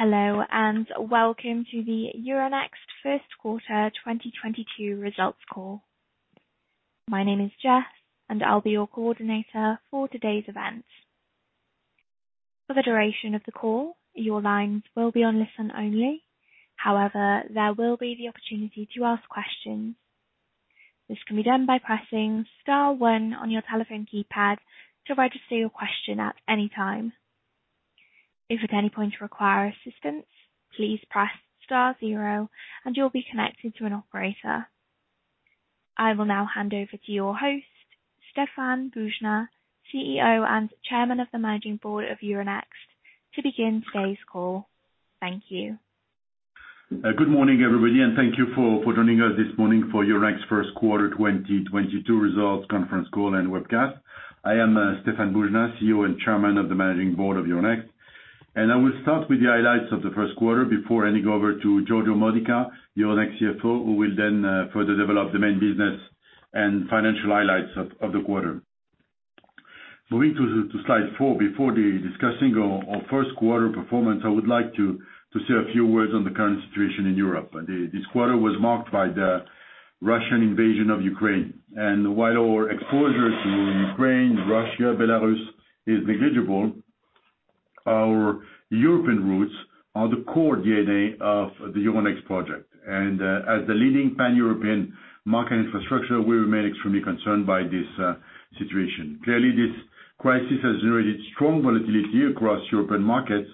Hello, and welcome to the Euronext First Quarter 2022 Results Call. My name is Jess, and I'll be your coordinator for today's event. For the duration of the call, your lines will be on listen-only. However, there will be the opportunity to ask questions. This can be done by pressing star one on your telephone keypad to register your question at any time. If at any point you require assistance, please press star zero and you'll be connected to an operator. I will now hand over to your host, Stéphane Boujnah, CEO and Chairman of the Managing Board of Euronext to begin today's call. Thank you. Good morning, everybody, and thank you for joining us this morning for Euronext's first quarter 2022 results conference call and webcast. I am Stéphane Boujnah, CEO and Chairman of the Managing Board of Euronext. I will start with the highlights of the first quarter before handing over to Giorgio Modica, Euronext CFO, who will then further develop the main business and financial highlights of the quarter. Moving to slide four, before discussing our first quarter performance, I would like to say a few words on the current situation in Europe. This quarter was marked by the Russian invasion of Ukraine. While our exposure to Ukraine, Russia, Belarus is negligible, our European roots are the core DNA of the Euronext project. As the leading Pan-European market infrastructure, we remain extremely concerned by this situation. Clearly, this crisis has generated strong volatility across European markets,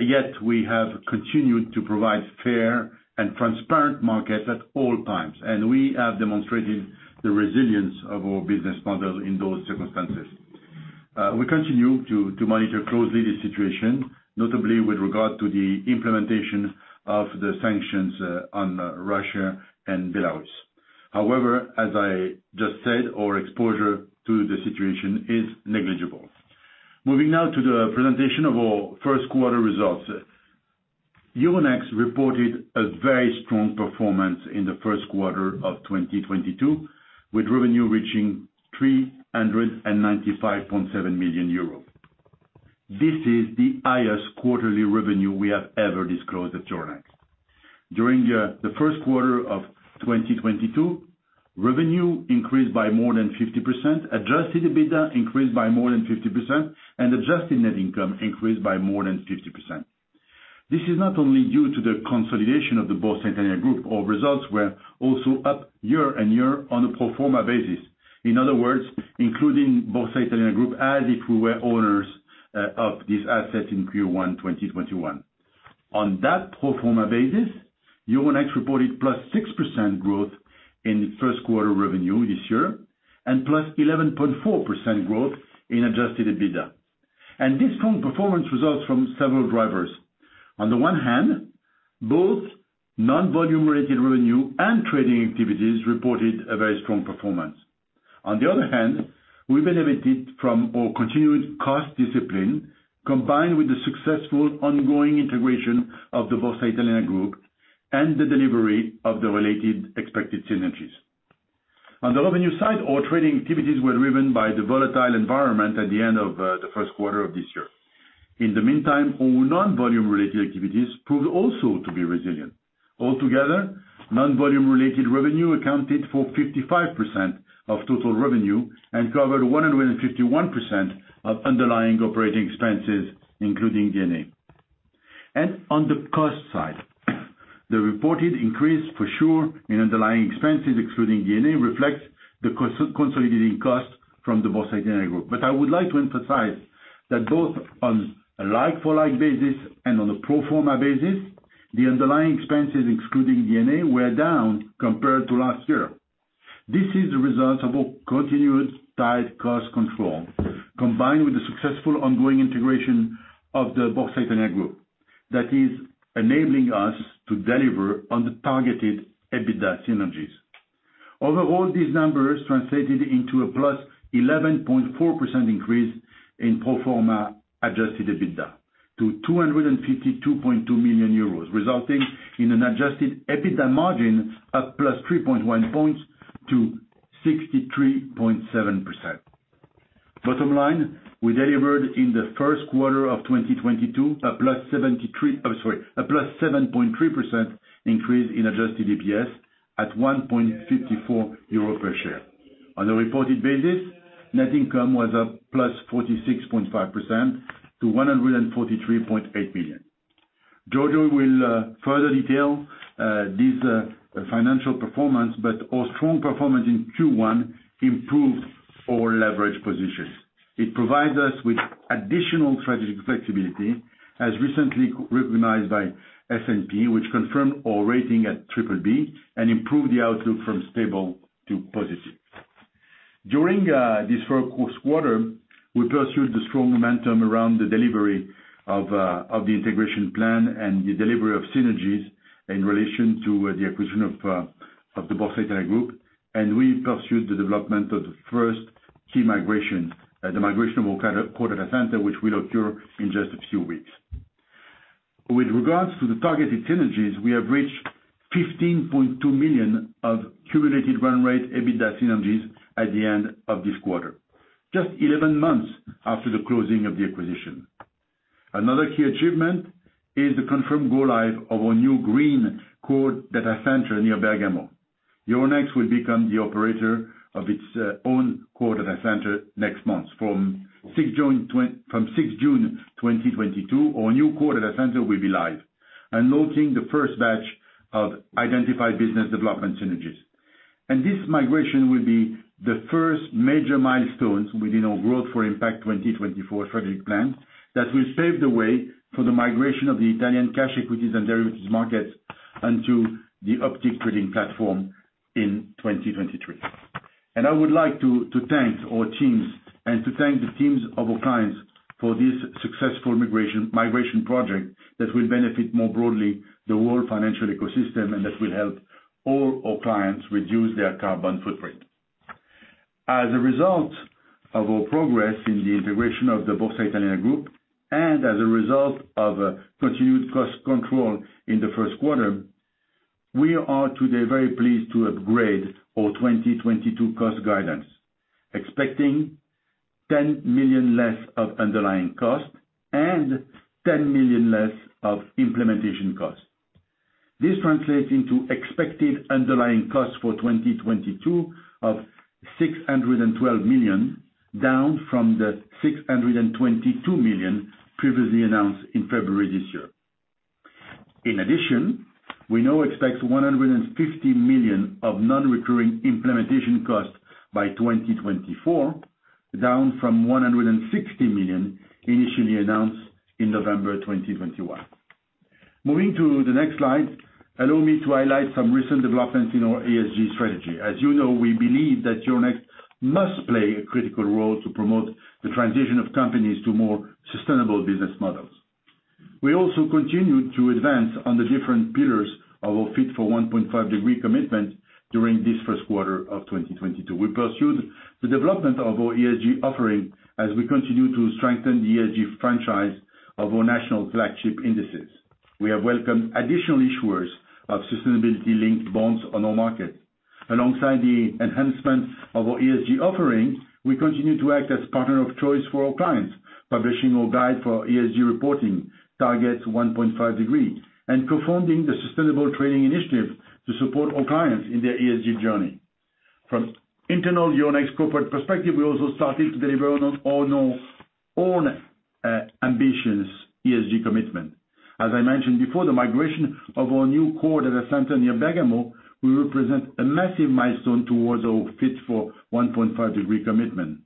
yet we have continued to provide fair and transparent markets at all times. We have demonstrated the resilience of our business model in those circumstances. We continue to monitor closely the situation, notably with regard to the implementation of the sanctions on Russia and Belarus. However, as I just said, our exposure to the situation is negligible. Moving now to the presentation of our first quarter results. Euronext reported a very strong performance in the first quarter of 2022, with revenue reaching 395.7 million euros. This is the highest quarterly revenue we have ever disclosed at Euronext. During the first quarter of 2022, revenue increased by more than 50%, adjusted EBITDA increased by more than 50%, and adjusted net income increased by more than 50%. This is not only due to the consolidation of the Borsa Italiana Group. Our results were also up year-on-year on a pro forma basis. In other words, including Borsa Italiana Group as if we were owners of this asset in Q1 2021. On that pro forma basis, Euronext reported +6% growth in first quarter revenue this year and +11.4% growth in Adjusted EBITDA. This strong performance results from several drivers. On the one hand, both non-volume related revenue and trading activities reported a very strong performance. On the other hand, we benefited from our continued cost discipline, combined with the successful ongoing integration of the Borsa Italiana Group and the delivery of the related expected synergies. On the revenue side, our trading activities were driven by the volatile environment at the end of the first quarter of this year. In the meantime, our non-volume related activities proved also to be resilient. Altogether, non-volume related revenue accounted for 55% of total revenue and covered 151% of underlying operating expenses, including D&A. On the cost side, the reported increase for sure in underlying expenses, excluding D&A, reflects the consolidating cost from the Borsa Italiana Group. I would like to emphasize that both on a like-for-like basis and on a pro forma basis, the underlying expenses excluding D&A were down compared to last year. This is a result of our continued tight cost control, combined with the successful ongoing integration of the Borsa Italiana Group that is enabling us to deliver on the targeted EBITDA synergies. Overall, these numbers translated into a +11.4% increase in pro forma Adjusted EBITDA to 252.2 million euros, resulting in an Adjusted EBITDA margin of +3.1 points to 63.7%. Bottom line, we delivered in the first quarter of 2022 a +7.3% increase in adjusted EPS at 1.54 euro per share. On a reported basis, net income was up +46.5% to 143.8 million. Giorgio will further detail this financial performance, but our strong performance in Q1 improved our leverage positions. It provides us with additional strategic flexibility, as recently recognized by S&P, which confirmed our rating at BBB and improved the outlook from stable to positive. During this first quarter, we pursued the strong momentum around the delivery of the integration plan and the delivery of synergies in relation to the acquisition of the Borsa Italiana Group, and we pursued the development of the first key migration, the migration of our core data center, which will occur in just a few weeks. With regards to the targeted synergies, we have reached 15.2 million of cumulative run rate EBITDA synergies at the end of this quarter, just 11 months after the closing of the acquisition. Another key achievement is the confirmed go live of our new green core data center near Bergamo. Euronext will become the operator of its own core data center next month. From 6th June 2022, our new core data center will be live, unlocking the first batch of identified business development synergies. This migration will be the first major milestones within our Growth for Impact 2024 strategic plan that will pave the way for the migration of the Italian cash equities and derivatives markets onto the Optiq trading platform in 2023. I would like to thank our teams and to thank the teams of our clients for this successful migration project that will benefit more broadly the world financial ecosystem and that will help all our clients reduce their carbon footprint. As a result of our progress in the integration of the Borsa Italiana Group, and as a result of continued cost control in the first quarter, we are today very pleased to upgrade our 2022 cost guidance, expecting 10 million less of underlying costs and 10 million less of implementation costs. This translates into expected underlying costs for 2022 of 612 million, down from the 622 million previously announced in February this year. In addition, we now expect 150 million of non-recurring implementation costs by 2024, down from 160 million initially announced in November 2021. Moving to the next slide, allow me to highlight some recent developments in our ESG strategy. As you know, we believe that Euronext must play a critical role to promote the transition of companies to more sustainable business models. We also continue to advance on the different pillars of our Fit for 1.5° commitment during this first quarter of 2022. We pursued the development of our ESG offering as we continue to strengthen the ESG franchise of our national flagship indices. We have welcomed additional issuers of sustainability-linked bonds on our market. Alongside the enhancement of our ESG offering, we continue to act as partner of choice for our clients, publishing our guide for ESG reporting, Target 1.5°, and co-founding the Sustainable Trading Initiative to support our clients in their ESG journey. From internal Euronext corporate perspective, we also started to deliver on our own, ambitious ESG commitment. As I mentioned before, the migration of our new core data center near Bergamo will represent a massive milestone towards our Fit for 1.5° commitment.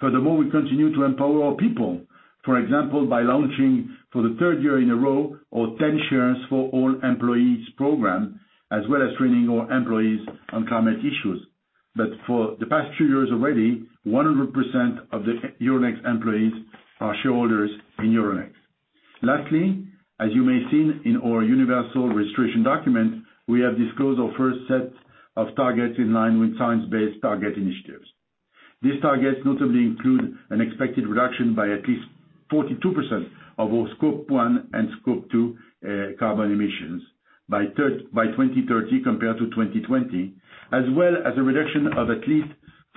Furthermore, we continue to empower our people, for example, by launching for the third year in a row our 10 shares for all employees program, as well as training our employees on climate issues. For the past two years already, 100% of the Euronext employees are shareholders in Euronext. Lastly, as you may seen in our universal registration document, we have disclosed our first set of targets in line with Science Based Targets initiative. These targets notably include an expected reduction by at least 42% of our Scope 1 and Scope 2 carbon emissions by 2030 compared to 2020, as well as a reduction of at least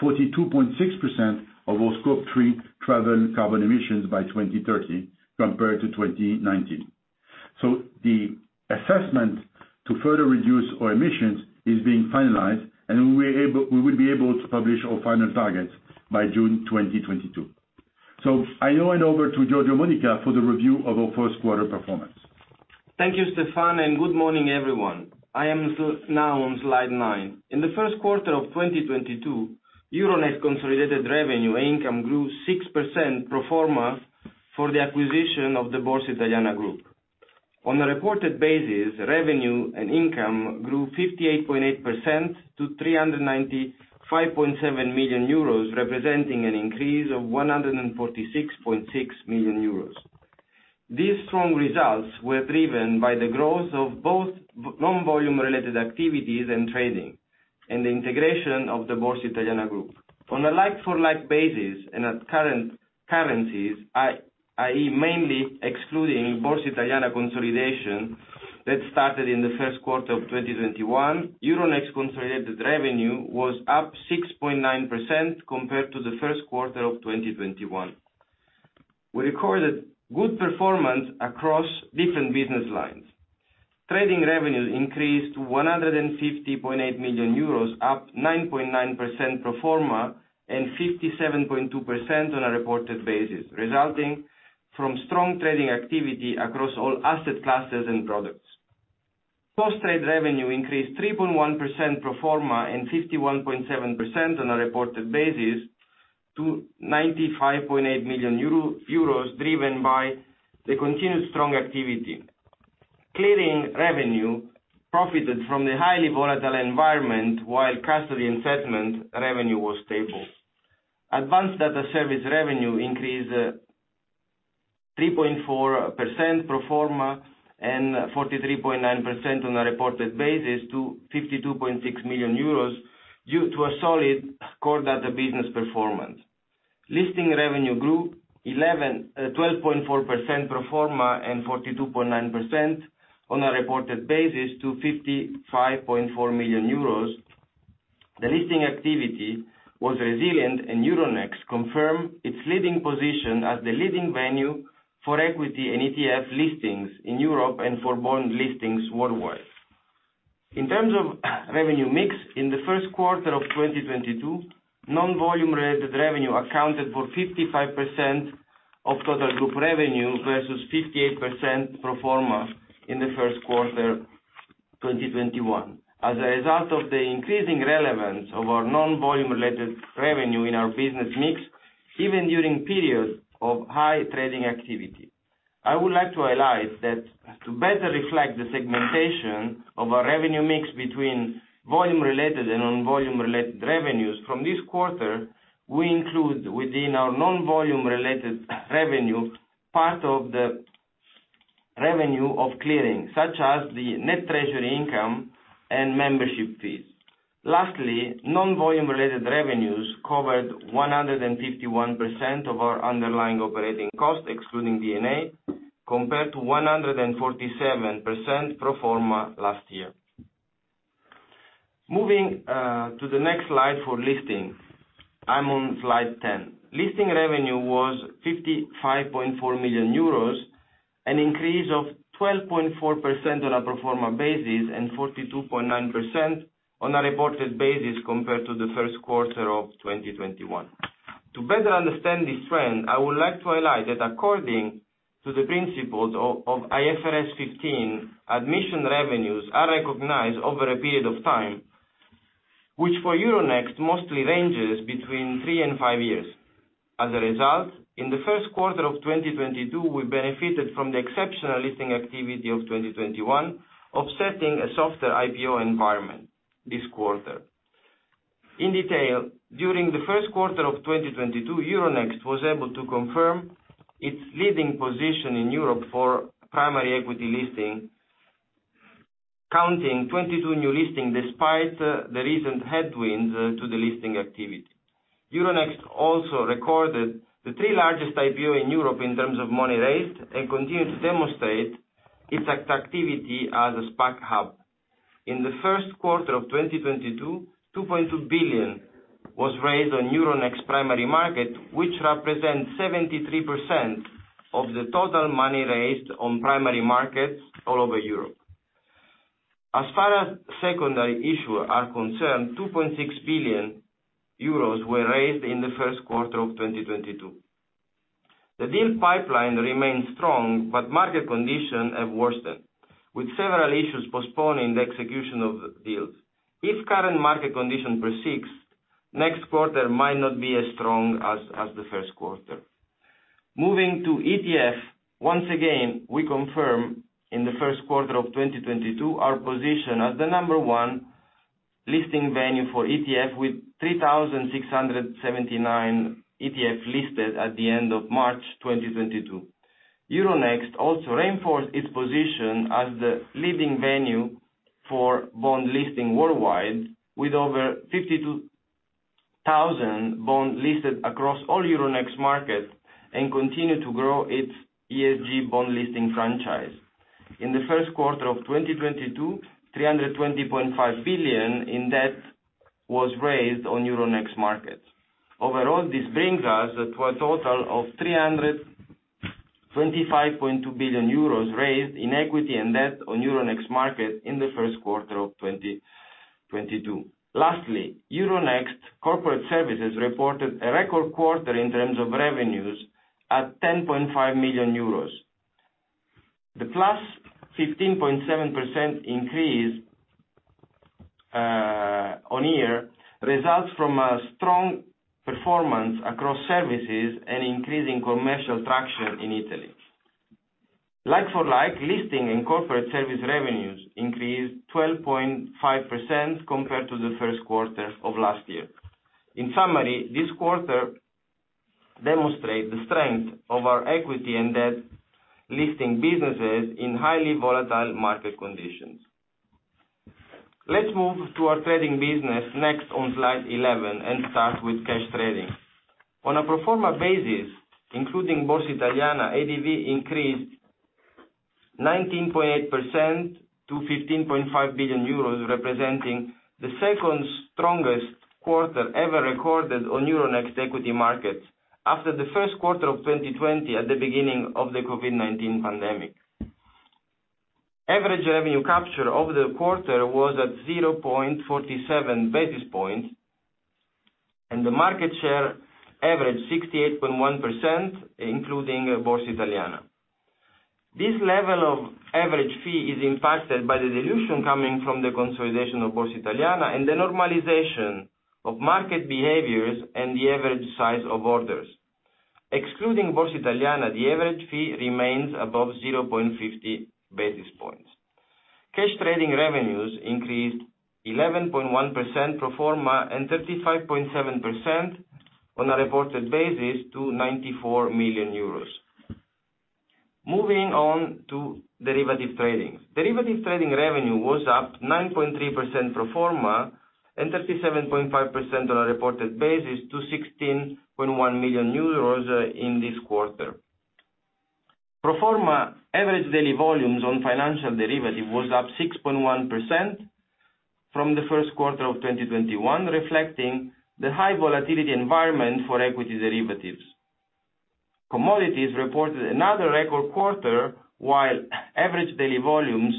42.6% of our scope three travel carbon emissions by 2030 compared to 2019. The assessment to further reduce our emissions is being finalized, and we will be able to publish our final targets by June 2022. I now hand over to Giorgio Modica for the review of our first quarter performance. Thank you, Stéphane, and good morning, everyone. I am now on slide nine. In the first quarter of 2022, Euronext consolidated revenues and income grew 6% pro forma for the acquisition of the Borsa Italiana group. On a reported basis, revenue and income grew 58.8% to 395.7 million euros, representing an increase of 146.6 million euros. These strong results were driven by the growth of both non-volume related activities and trading and the integration of the Borsa Italiana group. On a like for like basis and at constant currencies, i.e. mainly excluding Borsa Italiana consolidation that started in the first quarter of 2021, Euronext consolidated revenue was up 6.9% compared to the first quarter of 2021. We recorded good performance across different business lines. Trading revenues increased to 150.8 million euros, up 9.9% pro forma and 57.2% on a reported basis, resulting from strong trading activity across all asset classes and products. Post-trade revenue increased 3.1% pro forma and 51.7% on a reported basis to 95.8 million euro, driven by the continued strong activity. Clearing revenue profited from the highly volatile environment while custody and settlement revenue was stable. Advanced data service revenue increased 3.4% pro forma and 43.9% on a reported basis to 52.6 million euros due to a solid core data business performance. Listing revenue grew 12.4% pro forma and 42.9% on a reported basis to 55.4 million euros. The listing activity was resilient, and Euronext confirmed its leading position as the leading venue for equity and ETF listings in Europe and for bond listings worldwide. In terms of revenue mix, in the first quarter of 2022, non-volume related revenue accounted for 55% of total group revenue versus 58% pro forma in the first quarter 2021. As a result of the increasing relevance of our non-volume related revenue in our business mix, even during periods of high trading activity. I would like to highlight that to better reflect the segmentation of our revenue mix between volume related and non-volume related revenues, from this quarter, we include within our non-volume related revenue, part of the revenue of clearing, such as the net treasury income and membership fees. Lastly, non-volume related revenues covered 151% of our underlying operating costs, excluding D&A, compared to 147% pro forma last year. Moving to the next slide for listings. I'm on slide 10. Listing revenue was 55.4 million euros, an increase of 12.4% on a pro forma basis and 42.9% on a reported basis compared to the first quarter of 2021. To better understand this trend, I would like to highlight that according to the principles of IFRS 15, admission revenues are recognized over a period of time, which for Euronext, mostly ranges between three and five years. As a result, in the first quarter of 2022, we benefited from the exceptional listing activity of 2021, offsetting a softer IPO environment this quarter. In detail, during the first quarter of 2022, Euronext was able to confirm its leading position in Europe for primary equity listing, counting 22 new listings despite the recent headwinds to the listing activity. Euronext also recorded the three largest IPOs in Europe in terms of money raised and continued to demonstrate its activity as a SPAC hub. In the first quarter of 2022, 2.2 billion was raised on Euronext primary market, which represents 73% of the total money raised on primary markets all over Europe. As far as secondary issues are concerned, 2.6 billion euros were raised in the first quarter of 2022. The deal pipeline remains strong, but market conditions have worsened, with several issues postponing the execution of deals. If current market conditions persist, next quarter might not be as strong as the first quarter. Moving to ETF, once again, we confirm in the first quarter of 2022 our position as the number one listing venue for ETF, with 3,679 ETF listed at the end of March 2022. Euronext also reinforced its position as the leading venue for bond listing worldwide, with over 52,000 bonds listed across all Euronext markets and continued to grow its ESG bond listing franchise. In the first quarter of 2022, 320.5 billion in debt was raised on Euronext markets. Overall, this brings us to a total of 325.2 billion euros raised in equity and debt on Euronext markets in the first quarter of 2022. Lastly, Euronext Corporate Services reported a record quarter in terms of revenues at 10.5 million euros. The +15.7% increase year-over-year results from a strong performance across services and increasing commercial traction in Italy. Like-for-like, listing and corporate service revenues increased 12.5% compared to the first quarter of last year. In summary, this quarter demonstrate the strength of our equity and debt listing businesses in highly volatile market conditions. Let's move to our trading business next on slide 11 and start with cash trading. On a pro forma basis, including Borsa Italiana, ADV increased 19.8% to 15.5 billion euros, representing the second strongest quarter ever recorded on Euronext equity markets after the first quarter of 2020 at the beginning of the COVID-19 pandemic. Average revenue capture over the quarter was at 0.47 basis points, and the market share averaged 68.1%, including Borsa Italiana. This level of average fee is impacted by the dilution coming from the consolidation of Borsa Italiana and the normalization of market behaviors and the average size of orders. Excluding Borsa Italiana, the average fee remains above 0.50 basis points. Cash trading revenues increased 11.1% pro forma and 35.7% on a reported basis to 94 million euros. Moving on to derivative trading. Derivative trading revenue was up 9.3% pro forma and 37.5% on a reported basis to 16.1 million euros in this quarter. Pro forma average daily volumes on financial derivative was up 6.1% from the first quarter of 2021, reflecting the high volatility environment for equity derivatives. Commodities reported another record quarter, while average daily volumes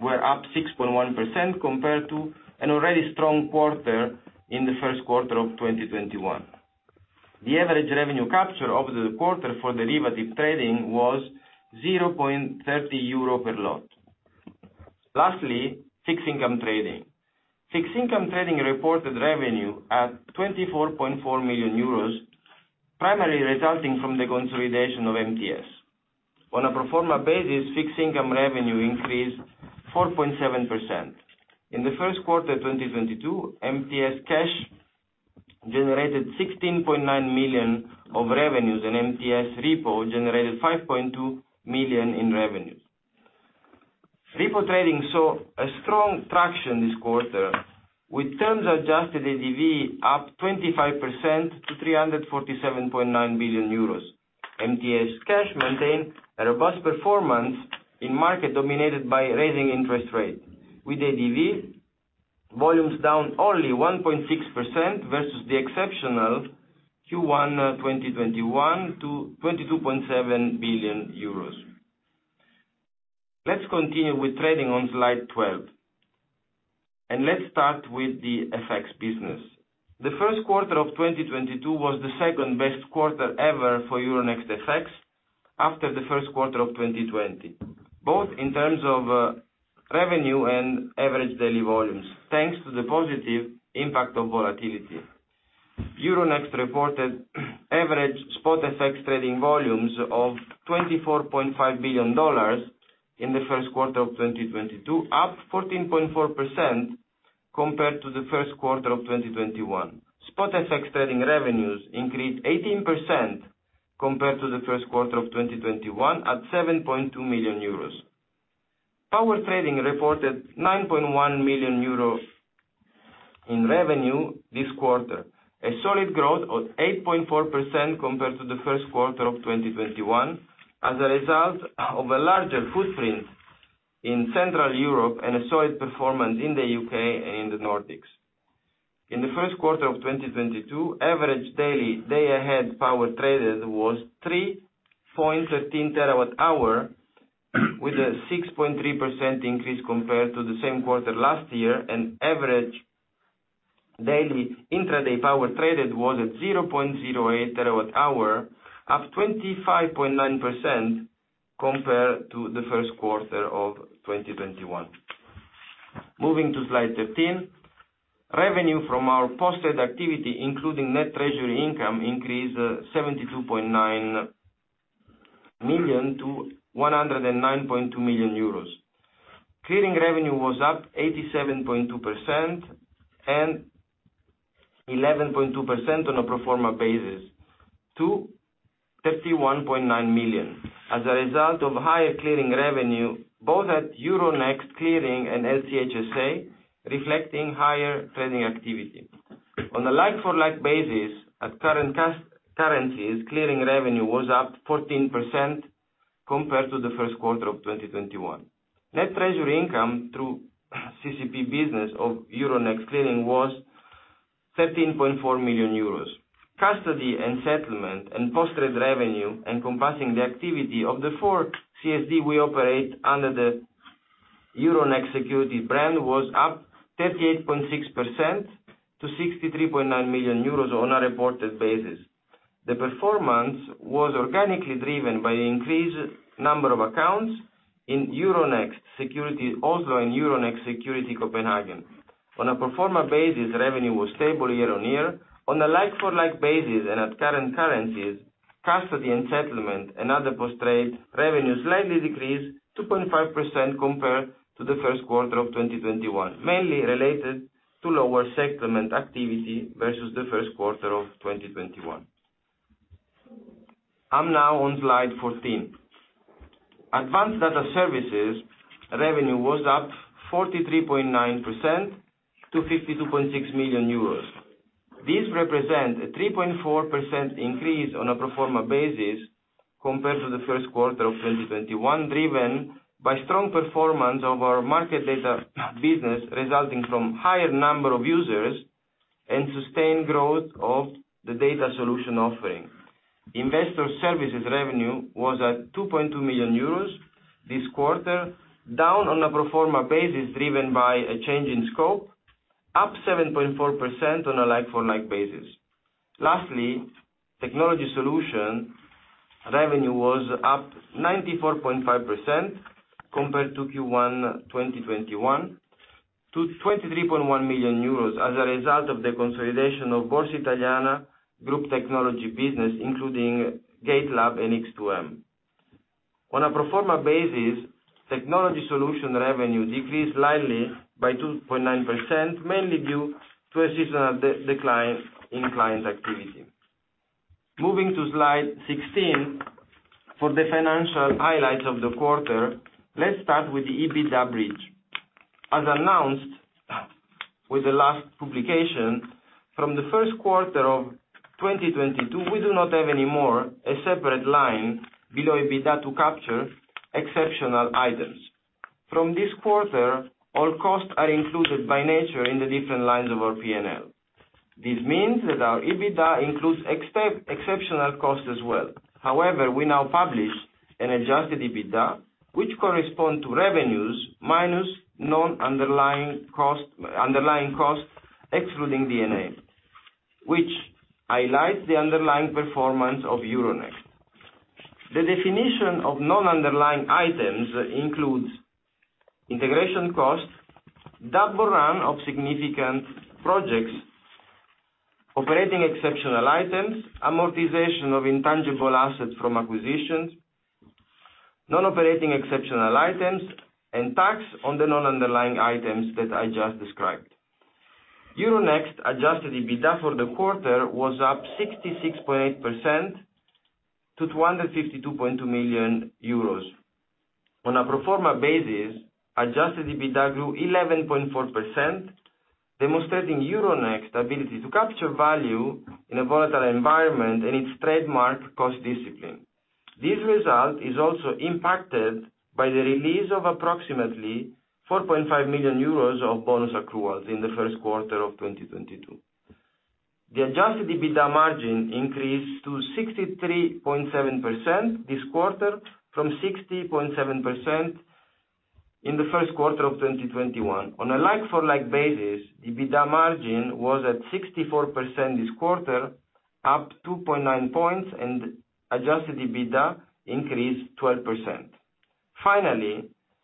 were up 6.1% compared to an already strong quarter in the first quarter of 2021. The average revenue capture over the quarter for derivative trading was 0.30 euro per lot. Fixed income trading reported revenue at 24.4 million euros, primarily resulting from the consolidation of MTS. On a pro forma basis, fixed income revenue increased 4.7%. In the first quarter 2022, MTS Cash generated 16.9 million of revenues, and MTS Repo generated 5.2 million in revenues. Repo trading saw a strong traction this quarter with term-adjusted ADV up 25% to 347.9 billion euros. MTS Cash maintained a robust performance in a market dominated by rising interest rates, with ADV volumes down only 1.6% versus the exceptional Q1 2021 to 22.7 billion euros. Let's continue with trading on slide 12, and let's start with the FX business. The first quarter of 2022 was the second-best quarter ever for Euronext FX after the first quarter of 2020, both in terms of revenue and average daily volumes, thanks to the positive impact of volatility. Euronext reported average spot FX trading volumes of $24.5 billion in the first quarter of 2022, up 14.4% compared to the first quarter of 2021. Spot FX trading revenues increased 18% compared to the first quarter of 2021 at 7.2 million euros. Power trading reported 9.1 million euros in revenue this quarter, a solid growth of 8.4% compared to the first quarter of 2021 as a result of a larger footprint in Central Europe and a solid performance in the U.K. and in the Nordics. In the first quarter of 2022, average daily day-ahead power traded was 3.13 terawatt-hours with a 6.3% increase compared to the same quarter last year, and average daily intra-day power traded was at 0.08 terawatt-hours, up 25.9% compared to the first quarter of 2021. Moving to slide 13. Revenue from our post-trade activity, including net treasury income, increased 72.9 million to 109.2 million euros. Clearing revenue was up 87.2% and 11.2% on a pro forma basis to 51.9 million as a result of higher clearing revenue both at Euronext Clearing and LCH SA, reflecting higher trading activity. On a like-for-like basis at current currencies, clearing revenue was up 14% compared to the first quarter of 2021. Net treasury income through CCP business of Euronext Clearing was 13.4 million euros. Custody and settlement and post-trade revenue encompassing the activity of the four CSD we operate under the Euronext Securities brand was up 38.6% to 63.9 million euros on a reported basis. The performance was organically driven by increased number of accounts in Euronext Securities, also in Euronext Securities Copenhagen. On a pro forma basis, revenue was stable year-on-year. On a like for like basis and at current currencies, custody and settlement and other post-trade revenues slightly decreased 2.5% compared to the first quarter of 2021, mainly related to lower segment activity versus the first quarter of 2021. I'm now on slide 14. Advanced data services revenue was up 43.9% to 52.6 million euros. This represent a 3.4% increase on a pro forma basis compared to the first quarter of 2021, driven by strong performance of our market data business, resulting from higher number of users and sustained growth of the data solution offering. Investor services revenue was at 2.2 million euros this quarter, down on a pro forma basis, driven by a change in scope, up 7.4% on a like for like basis. Lastly, technology solution revenue was up 94.5% compared to Q1 2021 to 23.1 million euros as a result of the consolidation of Borsa Italiana Group technology business, including Gatelab and X2M. On a pro forma basis, technology solution revenue decreased slightly by 2.9%, mainly due to a seasonal decline in client activity. Moving to slide 16, for the financial highlights of the quarter, let's start with the EBITDA bridge. As announced with the last publication, from the first quarter of 2022, we do not have any more a separate line below EBITDA to capture exceptional items. From this quarter, all costs are included by nature in the different lines of our P&L. This means that our EBITDA includes exceptional costs as well. However, we now publish an Adjusted EBITDA, which correspond to revenues minus non-underlying costs, underlying costs, excluding D&A, which highlights the underlying performance of Euronext. The definition of non-underlying items includes integration costs, double run of significant projects, operating exceptional items, amortization of intangible assets from acquisitions, non-operating exceptional items, and tax on the non-underlying items that I just described. Euronext Adjusted EBITDA for the quarter was up 66.8% to 252.2 million euros. On a pro forma basis, Adjusted EBITDA grew 11.4%, demonstrating Euronext ability to capture value in a volatile environment and its trademark cost discipline. This result is also impacted by the release of approximately 45 million euros of bonus accruals in the first quarter of 2022. The Adjusted EBITDA margin increased to 63.7% this quarter from 60.7% in the first quarter of 2021. On a like for like basis, EBITDA margin was at 64% this quarter, up 2.9 points, and Adjusted EBITDA increased 12%.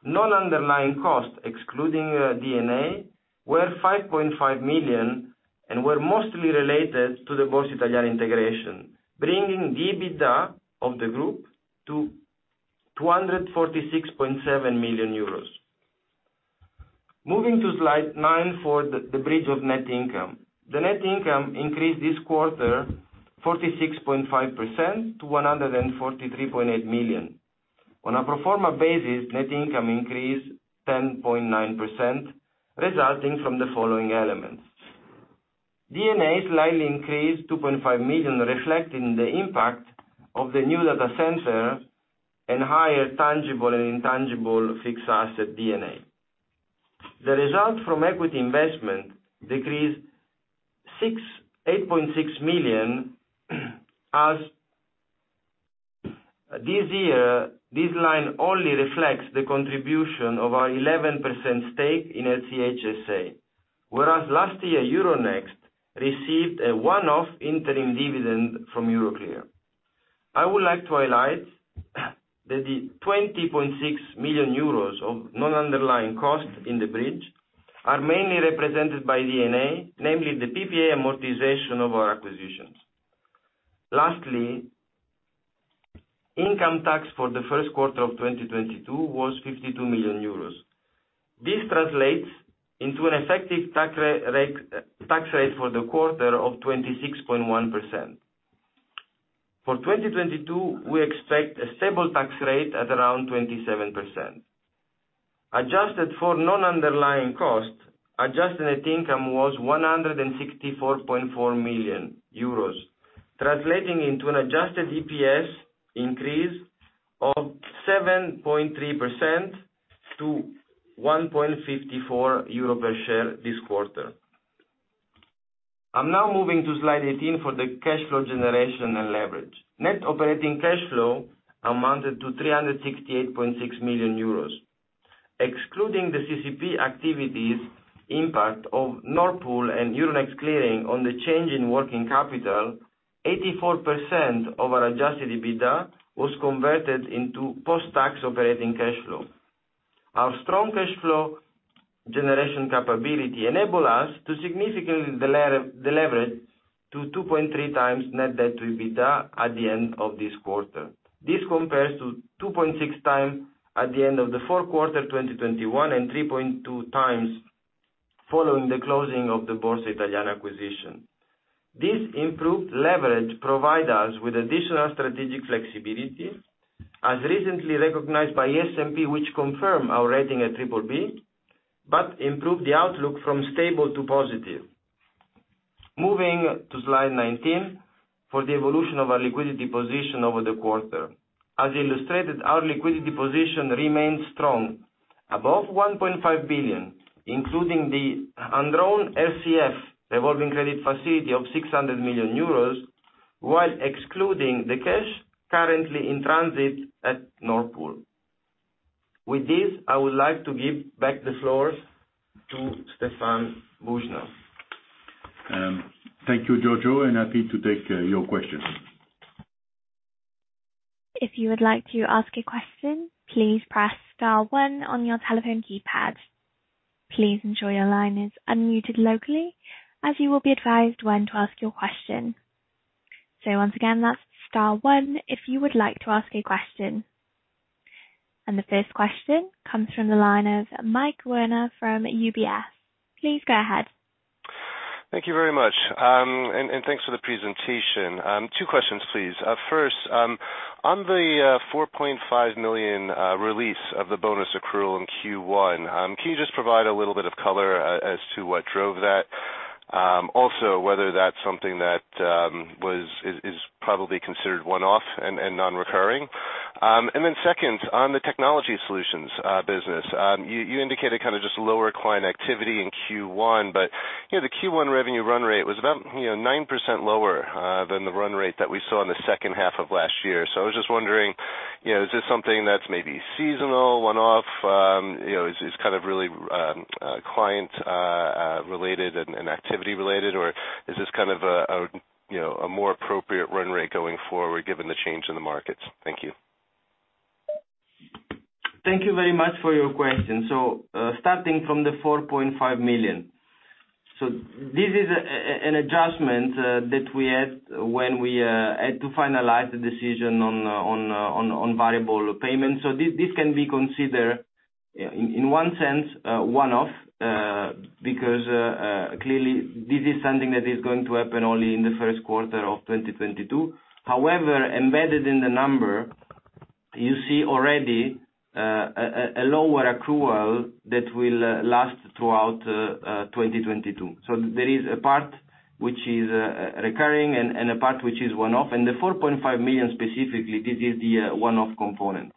Non-underlying costs, excluding D&A, were 5.5 million and were mostly related to the Borsa Italiana integration, bringing the EBITDA of the group to 246.7 million euros. Moving to slide 9 for the bridge of net income. The net income increased this quarter 46.5% to 143.8 million. On a pro forma basis, net income increased 10.9%, resulting from the following elements. D&A slightly increased 2.5 million, reflecting the impact of the new data center and higher tangible and intangible fixed asset D&A. The result from equity investment decreased EUR 8.6 million, as this year, this line only reflects the contribution of our 11% stake in LCH SA, whereas last year, Euronext received a one-off interim dividend from Euroclear. I would like to highlight that the 20.6 million euros of non-underlying costs in the bridge are mainly represented by D&A, namely the PPA amortization of our acquisitions. Lastly, income tax for the first quarter of 2022 was 52 million euros. This translates into an effective tax rate for the quarter of 26.1%. For 2022, we expect a stable tax rate at around 27%. Adjusted for non-underlying costs, adjusted net income was 164.4 million euros, translating into an adjusted EPS increase of 7.3% to 1.54 euro per share this quarter. I'm now moving to slide 18 for the cash flow generation and leverage. Net operating cash flow amounted to 368.6 million euros. Excluding the CCP activities impact of Nord Pool and Euronext Clearing on the change in working capital, 84% of our Adjusted EBITDA was converted into post-tax operating cash flow. Our strong cash flow generation capability enable us to significantly delever to 2.3x net debt to EBITDA at the end of this quarter. This compares to 2.6 times at the end of the fourth quarter 2021 and 3.2x following the closing of the Borsa Italiana acquisition. This improved leverage provide us with additional strategic flexibility as recently recognized by S&P, which confirm our rating at BBB, but improved the outlook from stable to positive. Moving to slide 19 for the evolution of our liquidity position over the quarter. As illustrated, our liquidity position remains strong, above 1.5 billion, including the undrawn RCF revolving credit facility of 600 million euros, while excluding the cash currently in transit at Nord Pool. With this, I would like to give back the floor to Stéphane Boujnah. Thank you, Giorgio, and happy to take your questions. If you would like to ask a question, please press star one on your telephone keypad. Please ensure your line is unmuted locally, as you will be advised when to ask your question. Once again, that's star one if you would like to ask a question. The first question comes from the line of Mike Werner from UBS. Please go ahead. Thank you very much. Thanks for the presentation. Two questions, please. First, on the 4.5 million release of the bonus accrual in Q1, can you just provide a little bit of color as to what drove that? Also, whether that's something that is probably considered one-off and non-recurring. Then second, on the Technology Solutions business, you indicated kinda just lower client activity in Q1, but you know, the Q1 revenue run rate was about you know, 9% lower than the run rate that we saw in the second half of last year. I was just wondering, you know, is this something that's maybe seasonal, one-off, you know, is kind of really client related and activity related, or is this kind of a you know a more appropriate run rate going forward given the change in the markets? Thank you. Thank you very much for your question. Starting from the 4.5 million. This is an adjustment that we had when we had to finalize the decision on variable payments. This can be considered in one sense one-off because clearly this is something that is going to happen only in the first quarter of 2022. However, embedded in the number, you see already a lower accrual that will last throughout 2022. There is a part which is recurring and a part which is one-off. The 4.5 million specifically, this is the one-off component.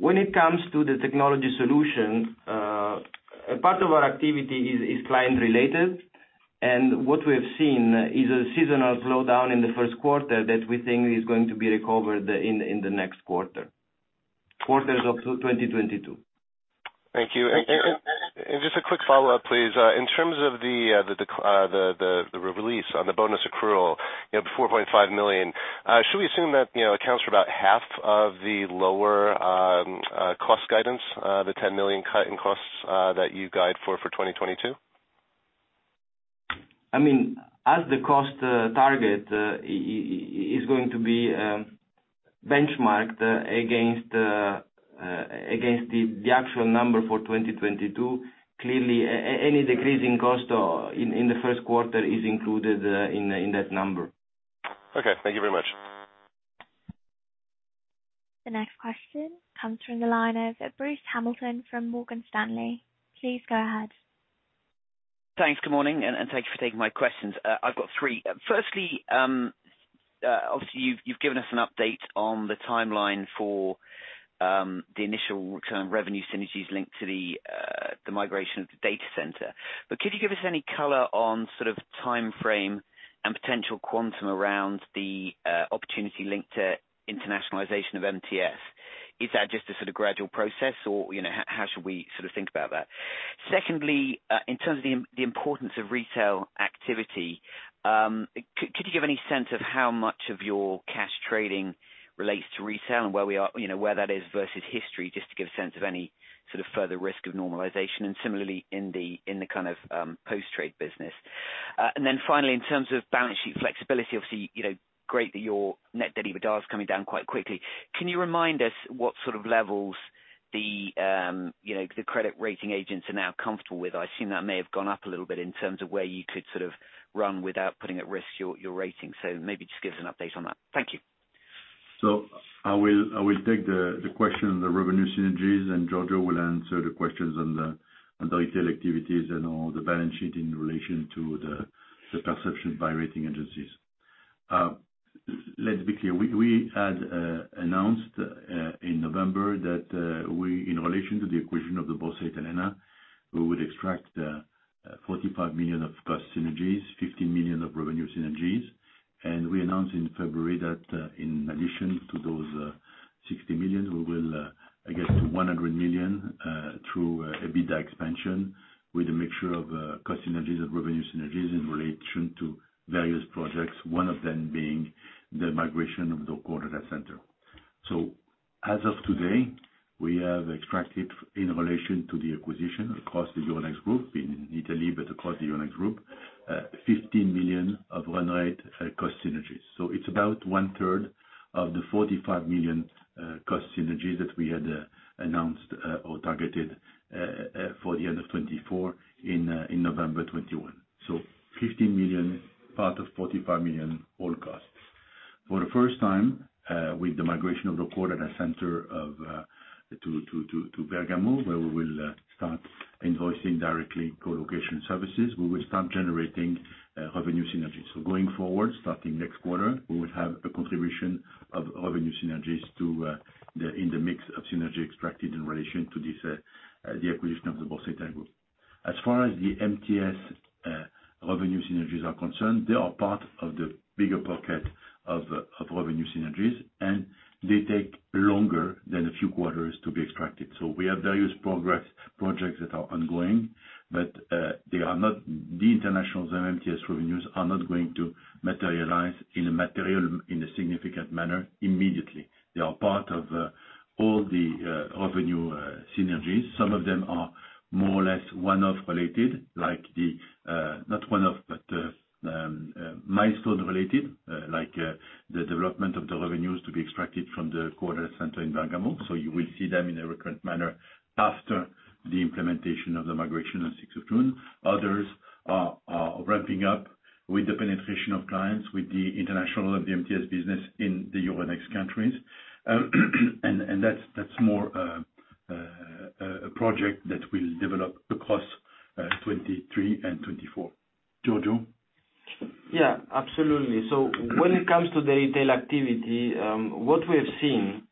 When it comes to the technology solution, a part of our activity is client-related, and what we have seen is a seasonal slowdown in the first quarter that we think is going to be recovered in the next quarter, Q2 2022. Thank you. Thank you. Just a quick follow-up, please. In terms of the release on the bonus accrual, you know, the 4.5 million, should we assume that, you know, it accounts for about half of the lower cost guidance, the 10 million cut in costs, that you guide for 2022? I mean, as the cost target is going to be benchmarked against the actual number for 2022, clearly any decrease in cost in the first quarter is included in that number. Okay. Thank you very much. The next question comes from the line of Bruce Hamilton from Morgan Stanley. Please go ahead. Thanks. Good morning, and thank you for taking my questions. I've got three. Firstly, obviously, you've given us an update on the timeline for the initial return revenue synergies linked to the migration of the data center. Could you give us any color on sort of timeframe and potential quantum around the opportunity linked to internationalization of MTS? Is that just a sort of gradual process, or, you know, how should we sort of think about that? Secondly, in terms of the importance of retail activity, could you give any sense of how much of your cash trading relates to retail and where we are, you know, where that is versus history, just to give a sense of any sort of further risk of normalization, and similarly in the kind of post-trade business? Finally, in terms of balance sheet flexibility, obviously, you know, great that your net debt EBITDA is coming down quite quickly. Can you remind us what sort of levels the, you know, the credit rating agencies are now comfortable with? I assume that may have gone up a little bit in terms of where you could sort of run without putting at risk your rating. Maybe just give us an update on that. Thank you. I will take the question on the revenue synergies, and Giorgio will answer the questions on the retail activities and on the balance sheet in relation to the perception by rating agencies. Let's be clear. We had announced in November that, in relation to the acquisition of the Borsa Italiana, we would extract 45 million of cost synergies, 15 million of revenue synergies. We announced in February that, in addition to those 60 million, we will get to 100 million through EBITDA expansion with a mixture of cost synergies and revenue synergies in relation to various projects, one of them being the migration of the core data center. As of today, we have extracted in relation to the acquisition across the Borsa Italiana Group in Italy, but across the Borsa Italiana Group, 15 million of run rate cost synergies. It's about one-third of the 45 million cost synergies that we had announced or targeted for the end of 2024 in November 2021. Fifteen million, part of 45 million all costs. For the first time, with the migration of the core data center to Bergamo, where we will start invoicing directly colocation services, we will start generating revenue synergies. Going forward, starting next quarter, we will have a contribution of revenue synergies to the mix of synergy extracted in relation to this, the acquisition of the Borsa Italiana Group. As far as the MTS revenue synergies are concerned, they are part of the bigger bucket of revenue synergies, and they take longer than a few quarters to be extracted. We have various projects that are ongoing, but the internationals and MTS revenues are not going to materialize in a material, in a significant manner immediately. They are part of all the revenue synergies. Some of them are more or less one-off related, like milestone related, the development of the revenues to be extracted from the data center in Bergamo. You will see them in a recurrent manner after the implementation of the migration on the sixth of June. Others are ramping up with the penetration of clients, with the International and the MTS business in the Euronext countries. That's more a project that will develop across 2023 and 2024. Giorgio? Yeah, absolutely. When it comes to the retail activity, what we have seen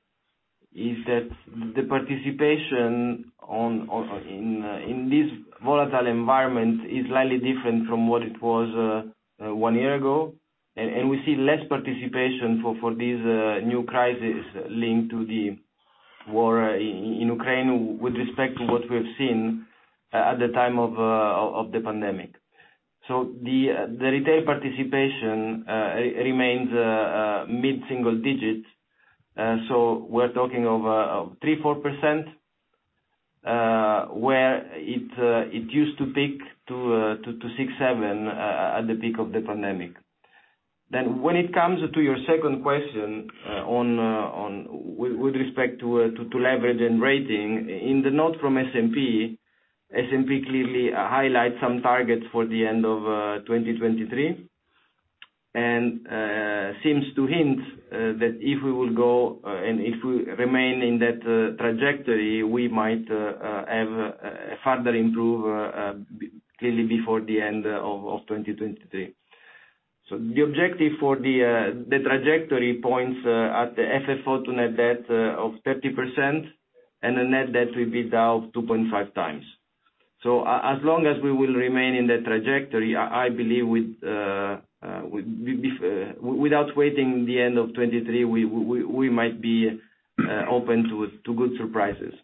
is that the participation in this volatile environment is slightly different from what it was one year ago. We see less participation for this new crisis linked to the war in Ukraine with respect to what we have seen at the time of the pandemic. The retail participation remains mid-single digit. We're talking of 3%-4%, where it used to peak to 6%-7% at the peak of the pandemic. When it comes to your second question with respect to leverage and rating, in the note from S&P, S&P clearly highlights some targets for the end of 2023. seems to hint that if we will go and if we remain in that trajectory, we might have a further improvement clearly before the end of 2023. The objective for the trajectory points at the FFO to net debt of 30%, and the net debt will be down 2.5x. As long as we will remain in that trajectory, I believe without waiting the end of 2023, we might be open to good surprises.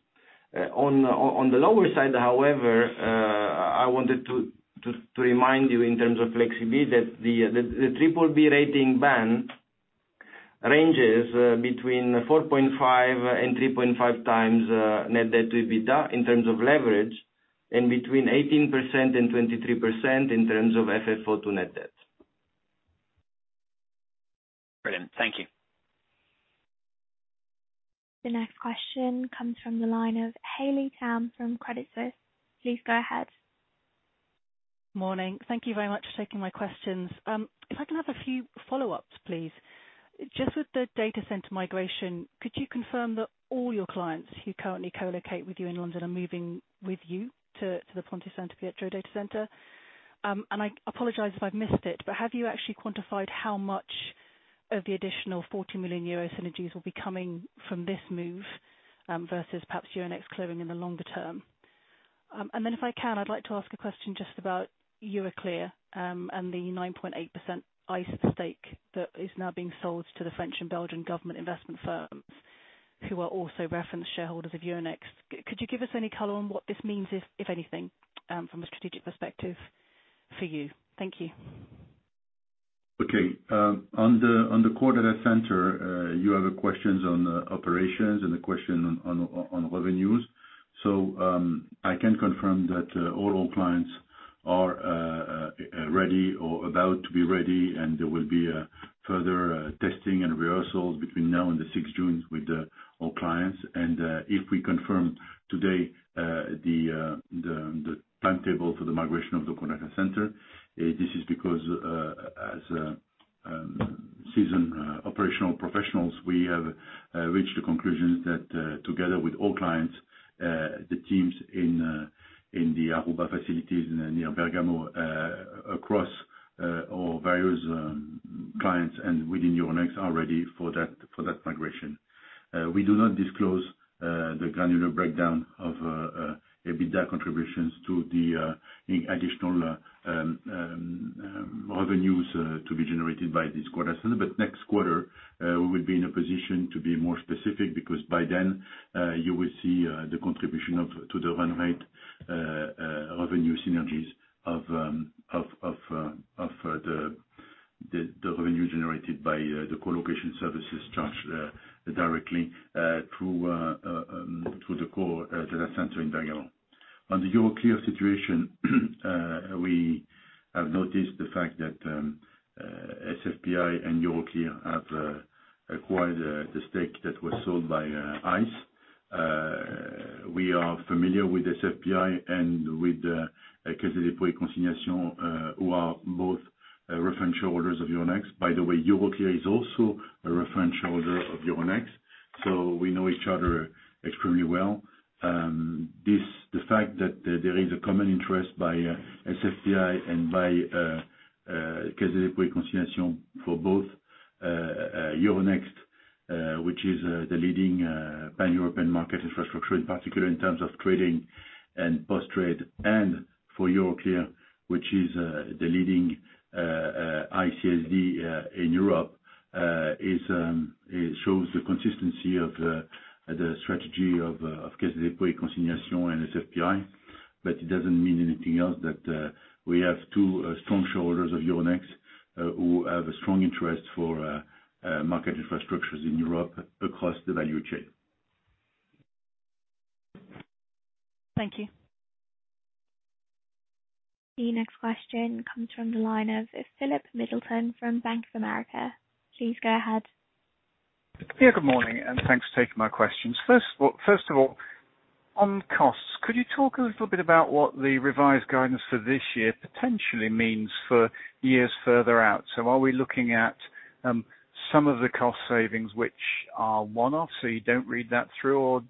On the lower side, however, I wanted to remind you in terms of flexibility, that the BBB rating band ranges between 4.5 and 3.5x net debt to EBITDA in terms of leverage, and between 18% and 23% in terms of FFO to net debt. Brilliant. Thank you. The next question comes from the line of Haley Tam from Credit Suisse. Please go ahead. Morning. Thank you very much for taking my questions. If I can have a few follow-ups please. Just with the data center migration, could you confirm that all your clients who currently co-locate with you in London are moving with you to the Ponte San Pietro data center? I apologize if I've missed it, but have you actually quantified how much of the additional 40 million euro synergies will be coming from this move, versus perhaps Euronext Clearing in the longer term? If I can, I'd like to ask a question just about Euroclear, and the 9.8% ICE stake that is now being sold to the French and Belgian government investment firms, who are also reference shareholders of Euronext. Could you give us any color on what this means, if anything, from a strategic perspective for you? Thank you. Okay. On the core data center, you have questions on operations and a question on revenues. I can confirm that all our clients are ready or about to be ready, and there will be further testing and rehearsals between now and the 6th June with our clients. If we confirm today the timetable for the migration of the core data center, this is because, as seasoned operational professionals, we have reached a conclusion that, together with all clients, the teams in the Aruba facilities near Bergamo, across our various clients and within Euronext are ready for that migration. We do not disclose the granular breakdown of EBITDA contributions to the additional revenues to be generated by this quarter. Next quarter, we will be in a position to be more specific, because by then, you will see the contribution to the run rate revenue synergies of the revenue generated by the colocation services charged directly through the core data center in Bergamo. On the Euroclear situation, we have noticed the fact that SFPI and Euroclear have acquired the stake that was sold by ICE. We are familiar with SFPI and with Caisse des Dépôts et Consignations, who are both reference shareholders of Euronext. By the way, Euroclear is also a reference shareholder of Euronext, so we know each other extremely well. The fact that there is a common interest by SFPI and by Caisse des Dépôts et Consignations for both Euronext, which is the leading pan-European market infrastructure, in particular in terms of trading and post-trade. For Euroclear, which is the leading ICSD in Europe. It shows the consistency of the strategy of Caisse des Dépôts et Consignations and SFPI, but it doesn't mean anything else. That we have two strong shareholders of Euronext who have a strong interest for market infrastructures in Europe across the value chain. Thank you. The next question comes from the line of Philip Middleton from Bank of America. Please go ahead. Yeah, good morning, and thanks for taking my questions. First, well, first of all, on costs, could you talk a little bit about what the revised guidance for this year potentially means for years further out? Are we looking at some of the cost savings which are one-off, so you don't read that through? Or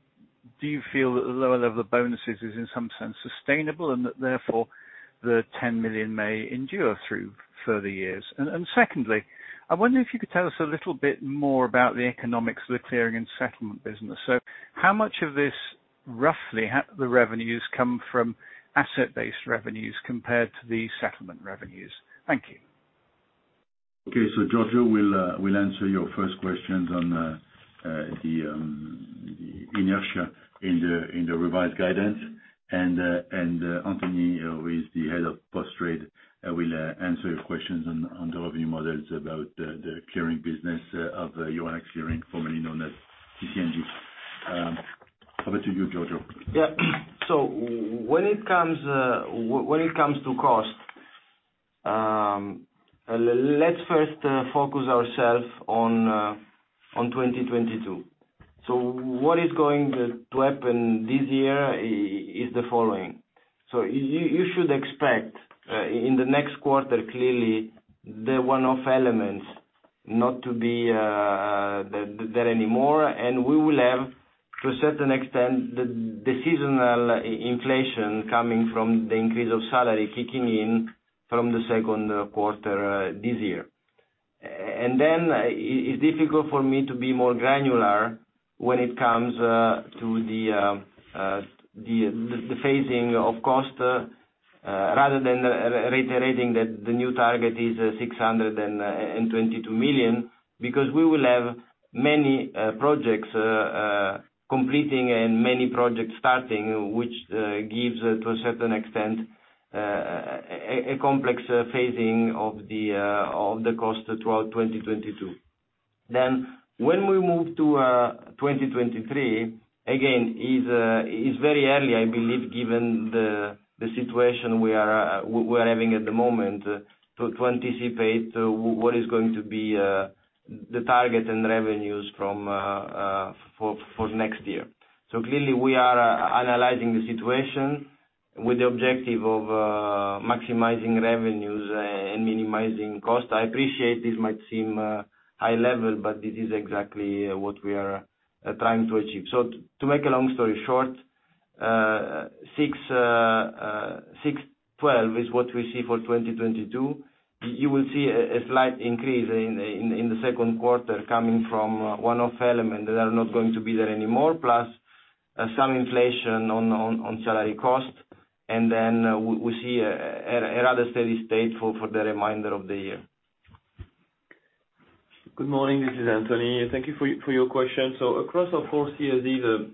do you feel that the lower level of bonuses is in some sense sustainable and that therefore the 10 million may endure through further years? Secondly, I wonder if you could tell us a little bit more about the economics of the clearing and settlement business. How much of this, roughly, half the revenues come from asset-based revenues compared to the settlement revenues? Thank you. Okay. Giorgio will answer your first questions on the inertia in the revised guidance. Anthony, who is the head of post-trade, will answer your questions on delivery models about the clearing business of Euronext Clearing, formerly known as CC&G. Over to you, Giorgio. When it comes to cost, let's first focus ourselves on 2022. What is going to happen this year is the following. You should expect, in the next quarter, clearly, the one-off elements not to be there anymore. We will have, to a certain extent, the seasonal inflation coming from the increase of salary kicking in from the second quarter this year. It's difficult for me to be more granular when it comes to the phasing of cost rather than reiterating that the new target is 622 million, because we will have many projects completing and many projects starting, which gives to a certain extent a complex phasing of the cost throughout 2022. When we move to 2023, again it is very early, I believe, given the situation we're having at the moment, to anticipate what is going to be the target and revenues for next year. Clearly we are analyzing the situation with the objective of maximizing revenues and minimizing cost. I appreciate this might seem high level, but this is exactly what we are trying to achieve. To make a long story short, 612 is what we see for 2022. You will see a slight increase in the second quarter coming from one-off element that are not going to be there anymore, plus some inflation on salary costs. Then we see a rather steady state for the remainder of the year. Good morning. This is Anthony. Thank you for your question. Across our core CSD,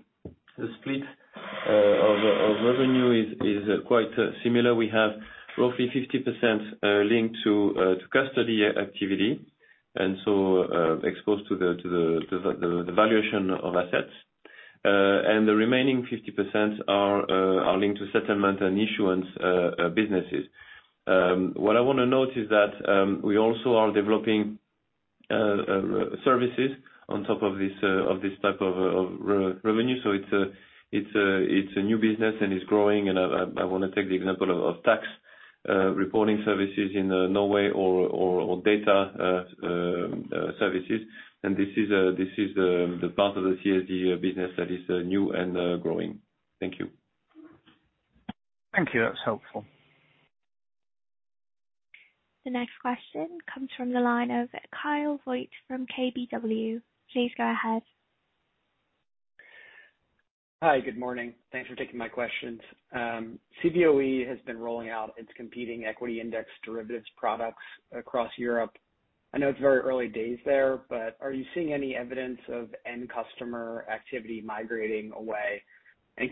the split of revenue is quite similar. We have roughly 50% linked to custody activity, and so exposed to the valuation of assets. The remaining 50% are linked to settlement and issuance businesses. What I wanna note is that we also are developing services on top of this of this type of revenue. It's a new business, and it's growing. I wanna take the example of tax reporting services in Norway or data services. This is the part of the CSD business that is new and growing. Thank you. Thank you. That's helpful. The next question comes from the line of Kyle Voigt from KBW. Please go ahead. Hi. Good morning. Thanks for taking my questions. Cboe has been rolling out its competing equity index derivatives products across Europe. I know it's very early days there, but are you seeing any evidence of end customer activity migrating away?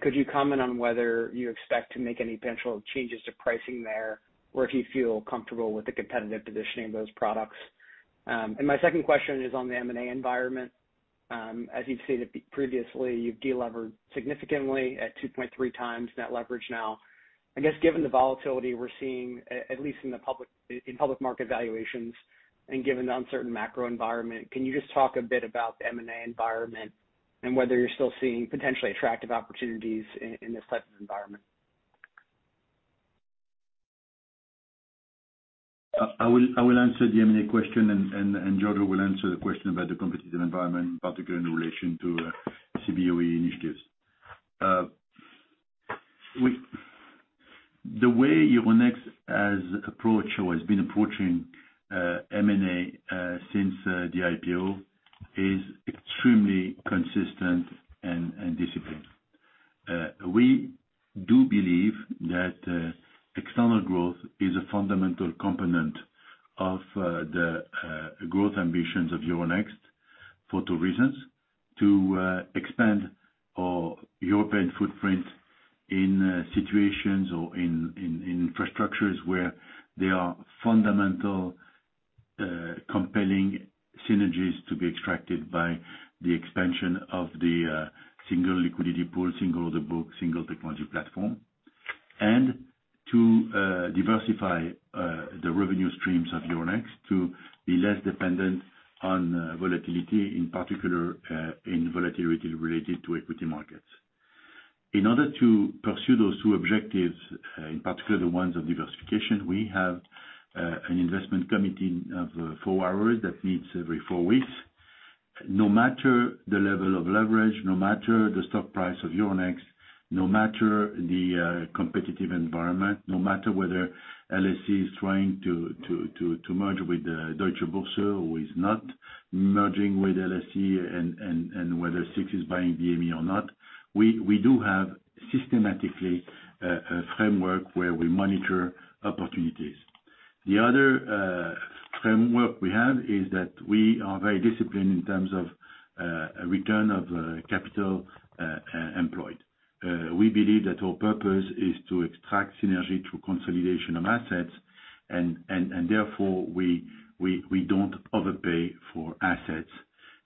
Could you comment on whether you expect to make any potential changes to pricing there, or if you feel comfortable with the competitive positioning of those products? My second question is on the M&A environment. As you've stated previously, you've de-levered significantly at 2.3x net leverage now. I guess given the volatility we're seeing, at least in public market valuations, and given the uncertain macro environment, can you just talk a bit about the M&A environment and whether you're still seeing potentially attractive opportunities in this type of environment? I will answer the M&A question, and Giorgio will answer the question about the competitive environment, particularly in relation to Cboe initiatives. The way Euronext has approached or has been approaching M&A since the IPO is extremely consistent and disciplined. We do believe that external growth is a fundamental component of the growth ambitions of Euronext for two reasons, to expand our European footprint in situations or in infrastructures where there are fundamental compelling synergies to be extracted by the expansion of the single liquidity pool, single order book, single technology platform. To diversify the revenue streams of Euronext to be less dependent on volatility, in particular, in volatility related to equity markets. In order to pursue those two objectives, in particular the ones of diversification, we have an investment committee of four members that meets every four weeks. No matter the level of leverage, no matter the stock price of Euronext, no matter the competitive environment, no matter whether LSE is trying to merge with Deutsche Börse or is not merging with LSE and whether SIX is buying BME or not, we have systematically a framework where we monitor opportunities. The other framework we have is that we are very disciplined in terms of a return on capital employed. We believe that our purpose is to extract synergy through consolidation of assets and therefore we don't overpay for assets.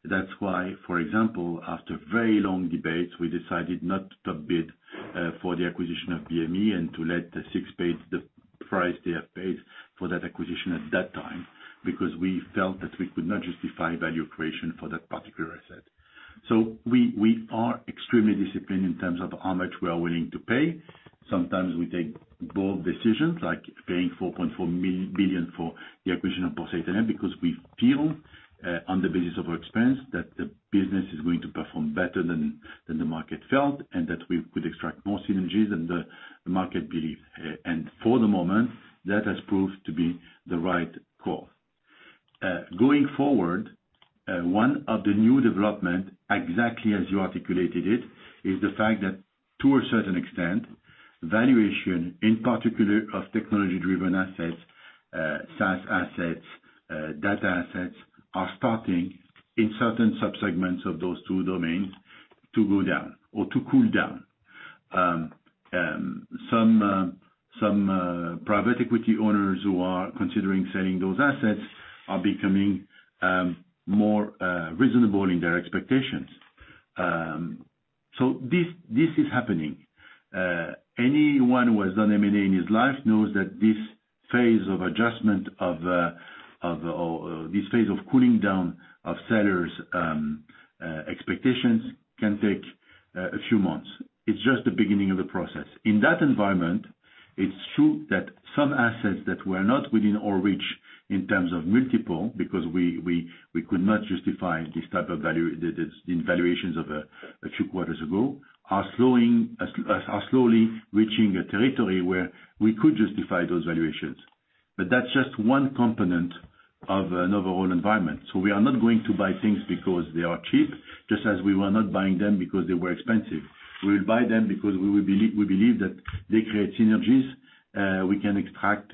That's why, for example, after very long debates, we decided not to bid for the acquisition of BME and to let SIX pay the price they have paid for that acquisition at that time, because we felt that we could not justify value creation for that particular asset. We are extremely disciplined in terms of how much we are willing to pay. Sometimes we take bold decisions like paying 4.4 billion for the acquisition of Bolsas y Mercados because we feel, on the basis of our experience, that the business is going to perform better than the market felt, and that we could extract more synergies than the market belief. For the moment, that has proved to be the right call. Going forward, one of the new development, exactly as you articulated it, is the fact that to a certain extent, valuation, in particular of technology-driven assets, SaaS assets, data assets are starting in certain subsegments of those two domains to go down or to cool down. Some private equity owners who are considering selling those assets are becoming more reasonable in their expectations. This is happening. Anyone who has done M&A in his life knows that this phase of cooling down of sellers' expectations can take a few months. It's just the beginning of the process. In that environment, it's true that some assets that were not within our reach in terms of multiples, because we could not justify this type of value, the valuations of a few quarters ago, are slowly reaching a territory where we could justify those valuations. That's just one component of an overall environment. We are not going to buy things because they are cheap, just as we were not buying them because they were expensive. We'll buy them because we believe that they create synergies. We can extract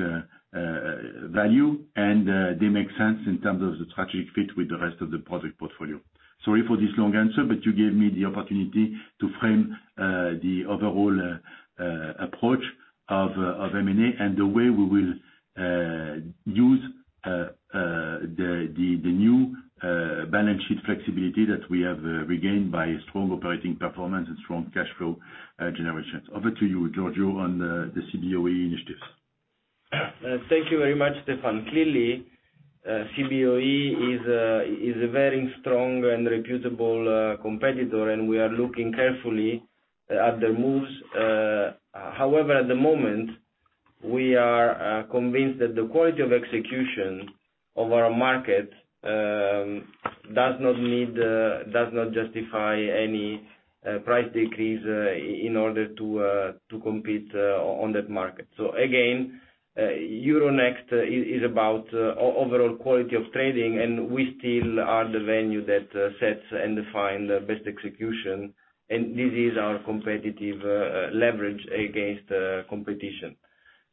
value, and they make sense in terms of the strategic fit with the rest of the product portfolio. Sorry for this long answer, but you gave me the opportunity to frame the overall approach of M&A and the way we will use the new balance sheet flexibility that we have regained by strong operating performance and strong cash flow generations. Over to you, Giorgio, on the Cboe initiatives. Thank you very much, Stéphane. Clearly, Cboe is a very strong and reputable competitor, and we are looking carefully at their moves. However, at the moment, we are convinced that the quality of execution of our market does not justify any price decrease in order to compete on that market. Again, Euronext is about overall quality of trading, and we still are the venue that sets and define the best execution, and this is our competitive leverage against competition.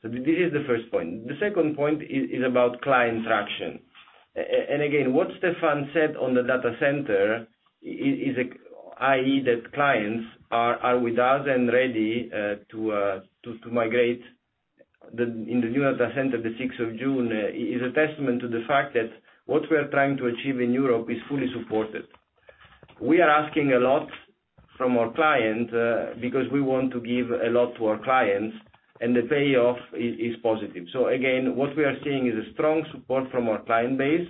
This is the first point. The second point is about client traction. Again, what Stéphane said on the data center is a i.e., that clients are with us and ready to migrate to the new data center the sixth of June, is a testament to the fact that what we are trying to achieve in Europe is fully supported. We are asking a lot from our clients because we want to give a lot to our clients, and the payoff is positive. Again, what we are seeing is a strong support from our client base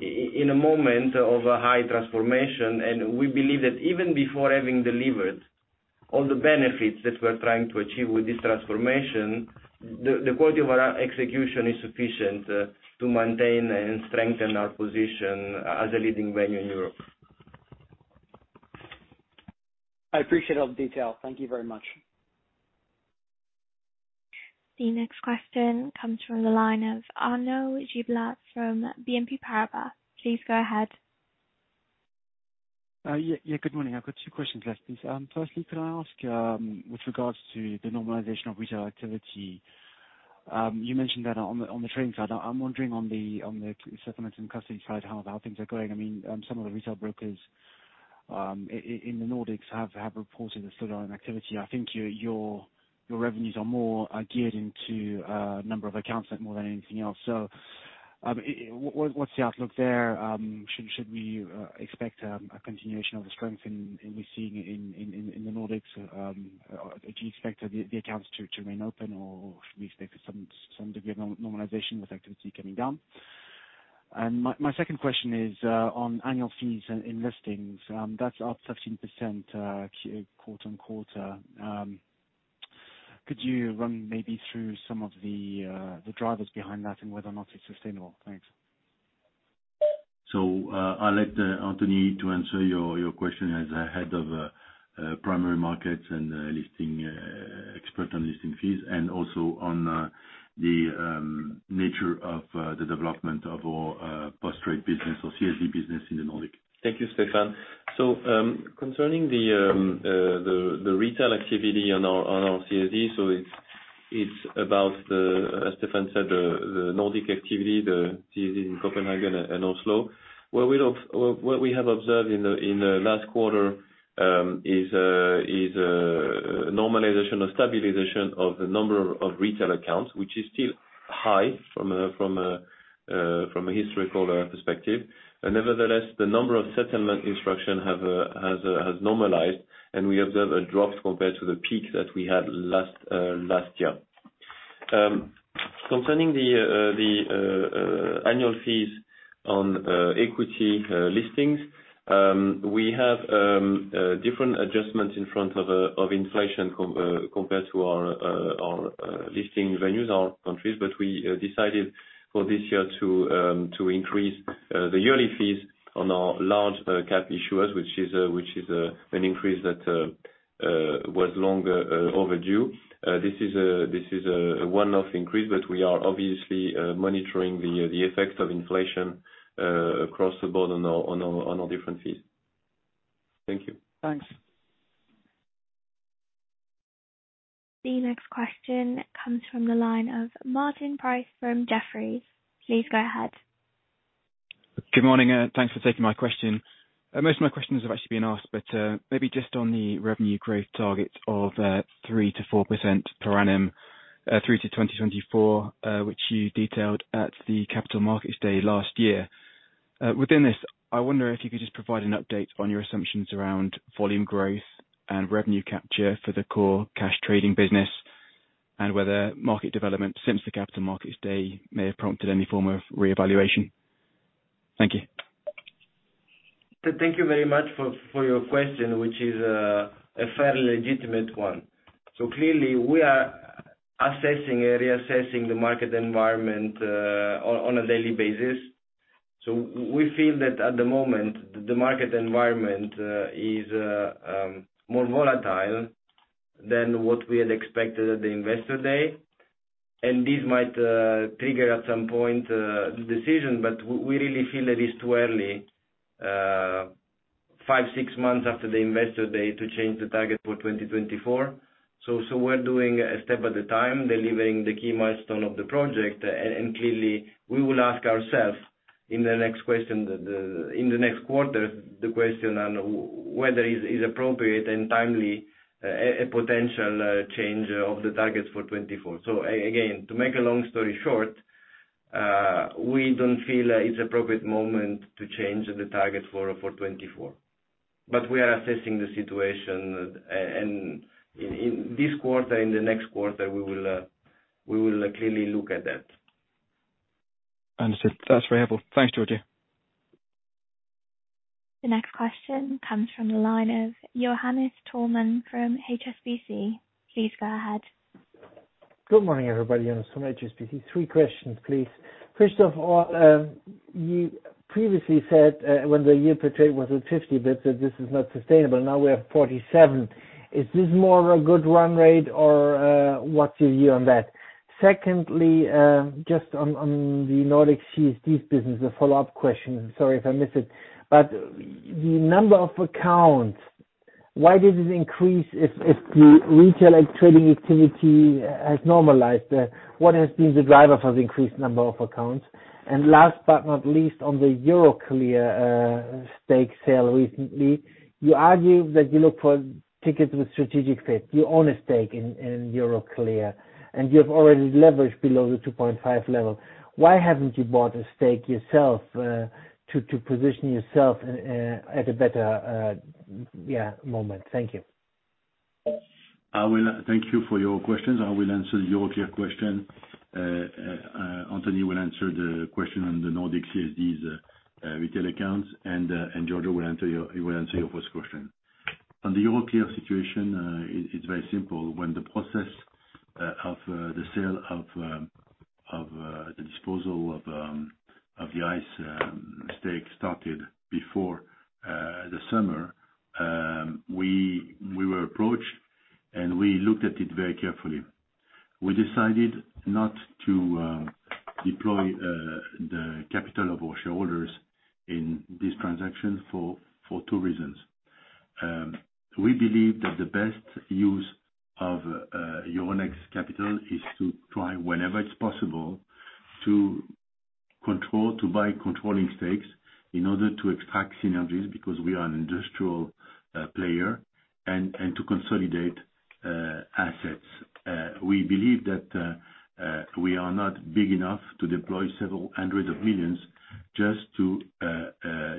in a moment of a high transformation. We believe that even before having delivered all the benefits that we're trying to achieve with this transformation, the quality of our execution is sufficient to maintain and strengthen our position as a leading venue in Europe. I appreciate all the detail. Thank you very much. The next question comes from the line of Arnaud Giblat from BNP Paribas. Please go ahead. Yeah, good morning. I've got two questions left, please. Firstly, can I ask, with regards to the normalization of retail activity, you mentioned that on the trading side. I'm wondering on the settlements and custody side, how things are going. I mean, some of the retail brokers in the Nordics have reported a slowdown in activity. I think your revenues are more geared into number of accounts than more than anything else. What's the outlook there? Should we expect a continuation of the strength we're seeing in the Nordics? Do you expect the accounts to remain open, or should we expect some degree of normalization with activity coming down? My second question is on annual fees and initial listings. That's up 13% quarter-on-quarter. Could you run maybe through some of the drivers behind that and whether or not it's sustainable? Thanks. I'll let Anthony to answer your question as a head of primary markets and listing expert on listing fees and also on the nature of the development of our post trade business or CSD business in the Nordic. Thank you, Stéphane. Concerning the retail activity on our CSD, it's about the, as Stéphane said, the Nordic activity, the CSD in Copenhagen and Oslo. What we have observed in the last quarter is normalization or stabilization of the number of retail accounts, which is still high from a historical perspective. Nevertheless, the number of settlement instruction has normalized and we observe a drop compared to the peak that we had last year. Concerning the annual fees on equity listings, we have different adjustments in front of inflation compared to our listing venues or countries. We decided for this year to increase the yearly fees on our large-cap issuers, which is an increase that was long overdue. This is a one-off increase, but we are obviously monitoring the effects of inflation across the board on our different fees. Thank you. Thanks. The next question comes from the line of Martin Price from Jefferies. Please go ahead. Good morning, and thanks for taking my question. Most of my questions have actually been asked, but maybe just on the revenue growth target of 3%-4% per annum through to 2024, which you detailed at the Capital Markets Day last year. Within this, I wonder if you could just provide an update on your assumptions around volume growth and revenue capture for the core cash trading business and whether market development since the Capital Markets Day may have prompted any form of reevaluation. Thank you. Thank you very much for your question, which is a fairly legitimate one. Clearly we are assessing and reassessing the market environment on a daily basis. We feel that at the moment, the market environment is more volatile than what we had expected at the Investor Day. This might trigger at some point the decision, but we really feel it is too early, five, six months after the Investor Day to change the target for 2024. We're doing a step at a time, delivering the key milestone of the project. Clearly we will ask ourselves in the next quarter the question on whether it's appropriate and timely, a potential change of the target for 2024. Again, to make a long story short, we don't feel it's appropriate moment to change the target for 2024. We are assessing the situation and, in this quarter, in the next quarter, we will clearly look at that. Understood. That's very helpful. Thanks, Giorgio. The next question comes from the line of Johannes Thormann from HSBC. Please go ahead. Good morning, everybody. Johannes from HSBC. Three questions, please. First of all, you previously said, when the revenue per trade was at 50, but said this is not sustainable. Now we have 47. Is this more of a good run rate or, what's your view on that? Secondly, just on the Nordic CSD business, a follow-up question. Sorry if I miss it. The number of accounts, why does it increase if the retail and trading activity has normalized? What has been the driver for the increased number of accounts? Last but not least, on the Euroclear stake sale recently, you argue that you look for targets with strategic fit. You own a stake in Euroclear, and you have already leverage below the 2.5 level. Why haven't you bought a stake yourself to position yourself at a better yeah moment? Thank you. Thank you for your questions. I will answer the Euroclear question. Anthony will answer the question on the Nordic CSD's retail accounts, and Giorgio will answer your first question. On the Euroclear situation, it's very simple. When the process of the disposal of the ICE stake started before the summer, we were approached, and we looked at it very carefully. We decided not to deploy the capital of our shareholders in this transaction for two reasons. We believe that the best use of Euronext capital is to try whenever it's possible to control, to buy controlling stakes in order to extract synergies, because we are an industrial player and to consolidate assets. We believe that we are not big enough to deploy several hundred millions just to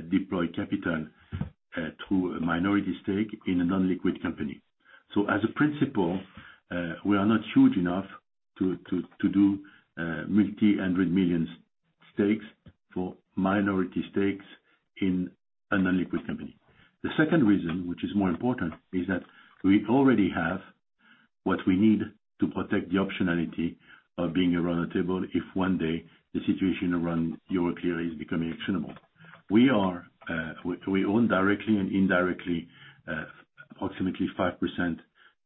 deploy capital to a minority stake in a non-liquid company. As a principle, we are not huge enough to do multi-hundred-million stakes for minority stakes in a non-liquid company. The second reason, which is more important, is that we already have what we need to protect the optionality of being around a table if one day the situation around Euroclear is becoming actionable. We own directly and indirectly approximately 5%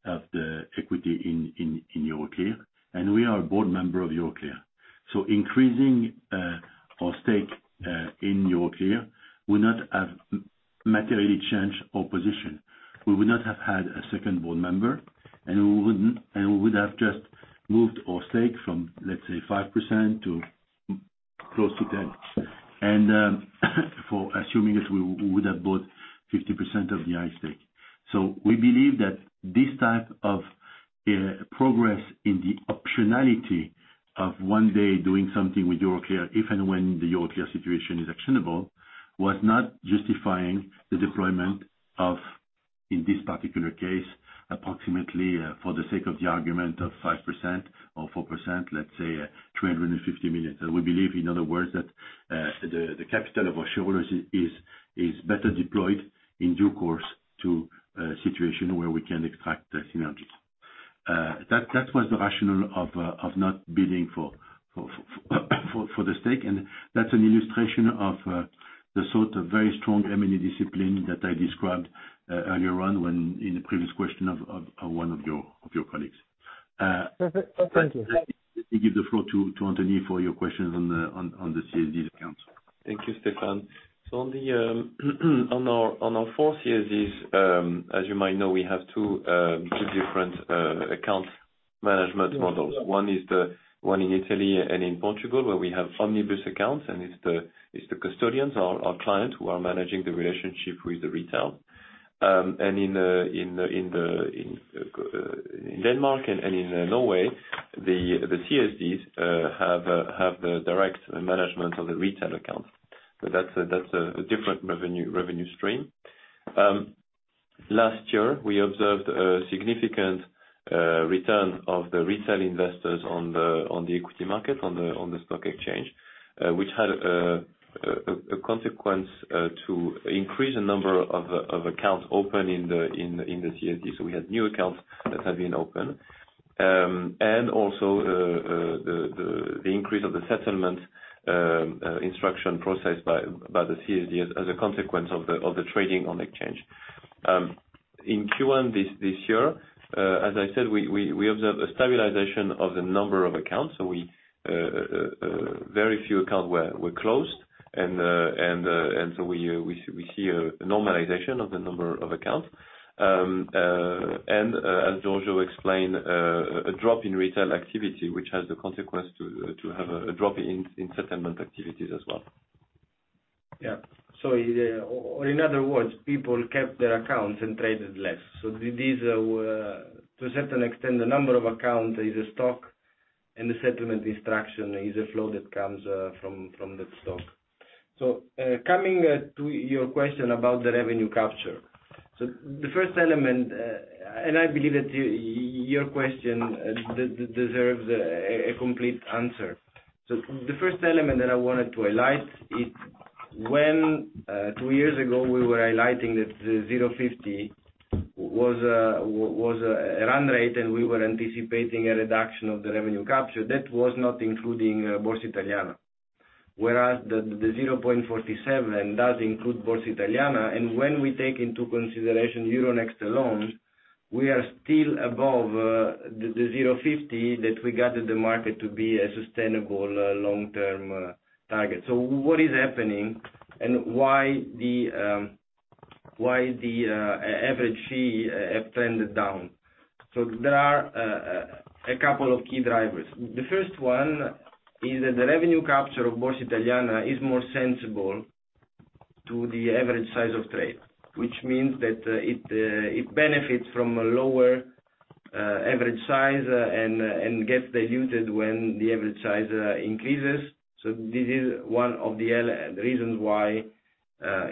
of the equity in Euroclear, and we are a board member of Euroclear. Increasing our stake in Euroclear would not have materially changed our position. We would not have had a second board member, and we wouldn't and we would have just moved our stake from, let's say, 5% to close to 10%. For assuming that we would have bought 50% of the ICE stake. We believe that this type of progress in the optionality of one day doing something with Euroclear, if and when the Euroclear situation is actionable, was not justifying the deployment of, in this particular case, approximately, for the sake of the argument, of 5% or 4%, let's say 250 million. We believe, in other words, that the capital of our shareholders is better deployed in due course to a situation where we can extract the synergies. That was the rationale of not bidding for the stake, and that's an illustration of the sort of very strong M&A discipline that I described earlier on when in the previous question of one of your colleagues. Perfect. Thank you. Let me give the floor to Anthony for your questions on the CSD accounts. Thank you, Stéphane. On our four CSDs, as you might know, we have two different account management models. One is the one in Italy and in Portugal, where we have omnibus accounts, and it's the custodians or our client who are managing the relationship with the retail. In Denmark and in Norway, the CSDs have the direct management of the retail accounts. That's a different revenue stream. Last year, we observed a significant return of the retail investors on the equity market, on the stock exchange, which had a consequence to increase the number of accounts opened in the CSD. We had new accounts that have been opened. The increase of the settlement instruction process by the CSD as a consequence of the trading on exchange. In Q1 this year, as I said, we observed a stabilization of the number of accounts. Very few accounts were closed and we see a normalization of the number of accounts. As Giorgio explained, a drop in retail activity, which has the consequence to have a drop in settlement activities as well. Or in other words, people kept their accounts and traded less. This is to a certain extent the number of accounts is a stock, and the settlement instruction is a flow that comes from that stock. Coming to your question about the revenue capture. The first element, and I believe that your question deserves a complete answer. The first element that I wanted to highlight is when two years ago we were highlighting that the 0.50 was a run rate, and we were anticipating a reduction of the revenue capture, that was not including Borsa Italiana. Whereas the 0.47 does include Borsa Italiana, and when we take into consideration Euronext alone, we are still above the 0.50 that we got the market to be a sustainable long-term target. What is happening and why the average fee have trended down? There are a couple of key drivers. The first one is that the revenue capture of Borsa Italiana is more sensitive to the average size of trade, which means that it benefits from a lower average size and gets diluted when the average size increases. This is one of the reasons why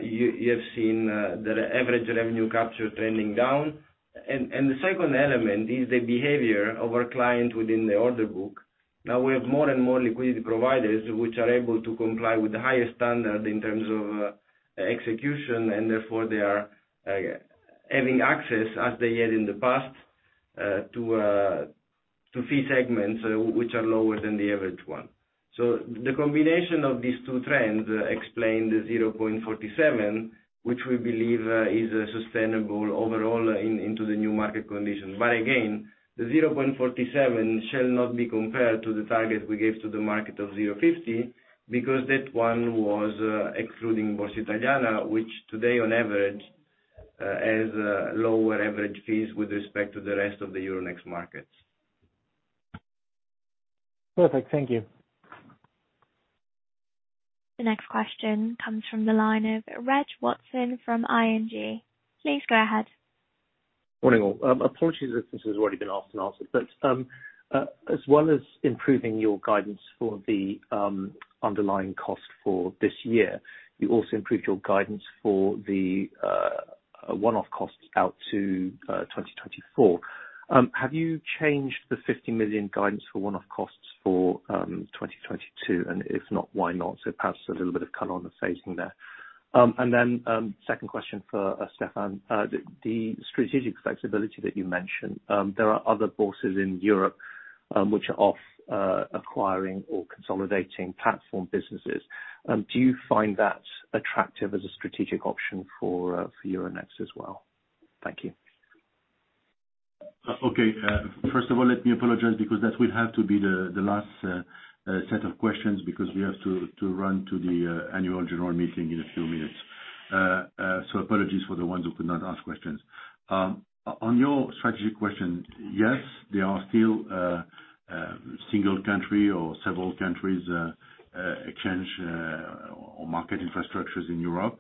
you have seen the average revenue capture trending down. The second element is the behavior of our client within the order book. Now, we have more and more liquidity providers which are able to comply with the highest standard in terms of execution, and therefore they are having access as they had in the past to fee segments which are lower than the average one. The combination of these two trends explain the 0.47%, which we believe is sustainable overall into the new market condition. Again, the 0.47% shall not be compared to the target we gave to the market of 0.50% because that one was excluding Borsa Italiana, which today on average has lower average fees with respect to the rest of the Euronext markets. Perfect. Thank you. The next question comes from the line of Reg Watson from ING. Please go ahead. Morning, all. Apologies if this has already been asked and answered, but as well as improving your guidance for the underlying cost for this year, you also improved your guidance for the one-off costs out to 2024. Have you changed the 50 million guidance for one-off costs for 2022? And if not, why not? Perhaps a little bit of color on the phasing there. Second question for Stéphane. The strategic flexibility that you mentioned, there are other bourses in Europe which are often acquiring or consolidating platform businesses. Do you find that attractive as a strategic option for Euronext as well? Thank you. Okay. First of all, let me apologize because that will have to be the last set of questions because we have to run to the annual general meeting in a few minutes. Apologies for the ones who could not ask questions. On your strategy question, yes, there are still single country or several countries exchange or market infrastructures in Europe.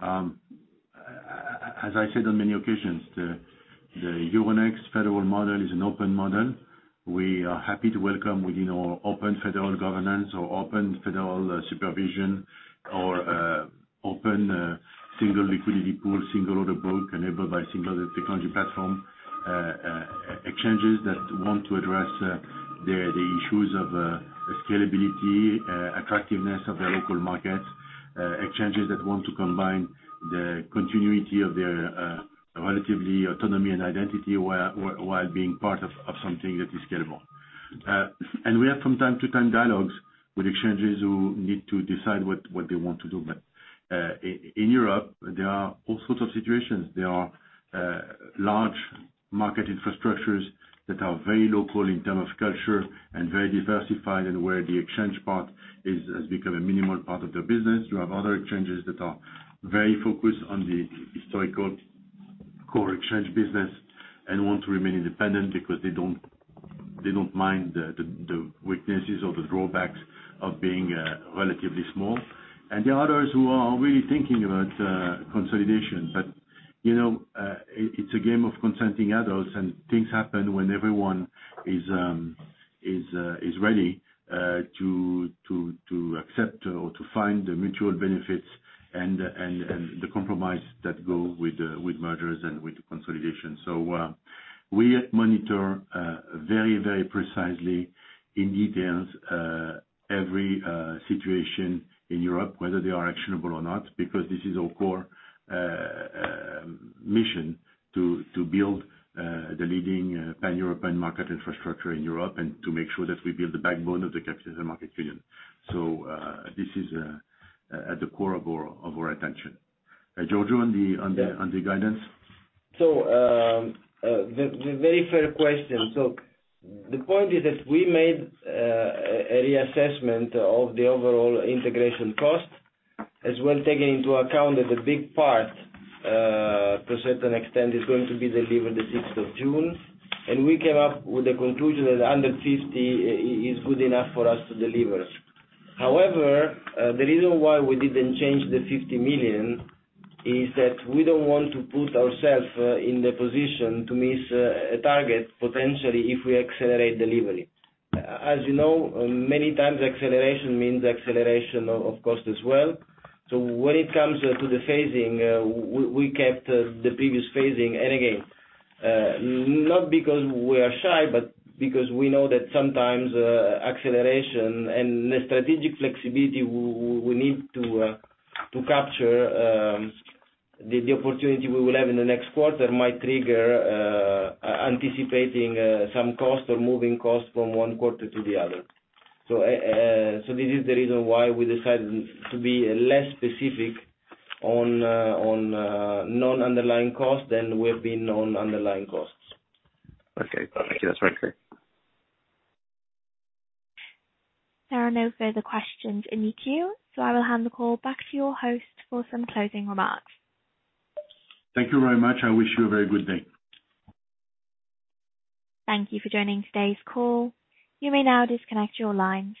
As I said on many occasions, the Euronext federal model is an open model. We are happy to welcome within our single liquidity pool, single order book, enabled by single technology platform, exchanges that want to address the issues of scalability, attractiveness of the local market, exchanges that want to combine the continuity of their relative autonomy and identity while being part of something that is scalable. We have from time to time dialogues with exchanges who need to decide what they want to do. In Europe, there are all sorts of situations. There are large market infrastructures that are very local in terms of culture and very diversified in where the exchange part has become a minimal part of their business. You have other exchanges that are very focused on the historical core exchange business and want to remain independent because they don't mind the weaknesses or the drawbacks of being relatively small. There are others who are really thinking about consolidation. It's a game of consenting adults, and things happen when everyone is ready to accept or to find the mutual benefits and the compromise that go with mergers and with consolidation. We monitor very precisely in detail every situation in Europe, whether they are actionable or not, because this is our core mission to build the leading pan-European market infrastructure in Europe and to make sure that we build the backbone of the Capital Markets Union. this is at the core of our attention. Giorgio, on the- Yeah. On the guidance. The very fair question. The point is that we made a reassessment of the overall integration cost, as well taking into account that the big part to a certain extent is going to be delivered the sixth of June. We came up with the conclusion that under 50 million is good enough for us to deliver. However, the reason why we didn't change the 50 million is that we don't want to put ourselves in the position to miss a target potentially if we accelerate delivery. As you know, many times acceleration means acceleration of cost as well. When it comes to the phasing, we kept the previous phasing. Not because we are shy, but because we know that sometimes acceleration and the strategic flexibility we need to capture the opportunity we will have in the next quarter might trigger anticipating some cost or moving costs from one quarter to the other. This is the reason why we decided to be less specific on non-underlying costs than we've been on underlying costs. Okay. Thank you. That's very clear. There are no further questions in the queue, so I will hand the call back to your host for some closing remarks. Thank you very much. I wish you a very good day. Thank you for joining today's call. You may now disconnect your lines.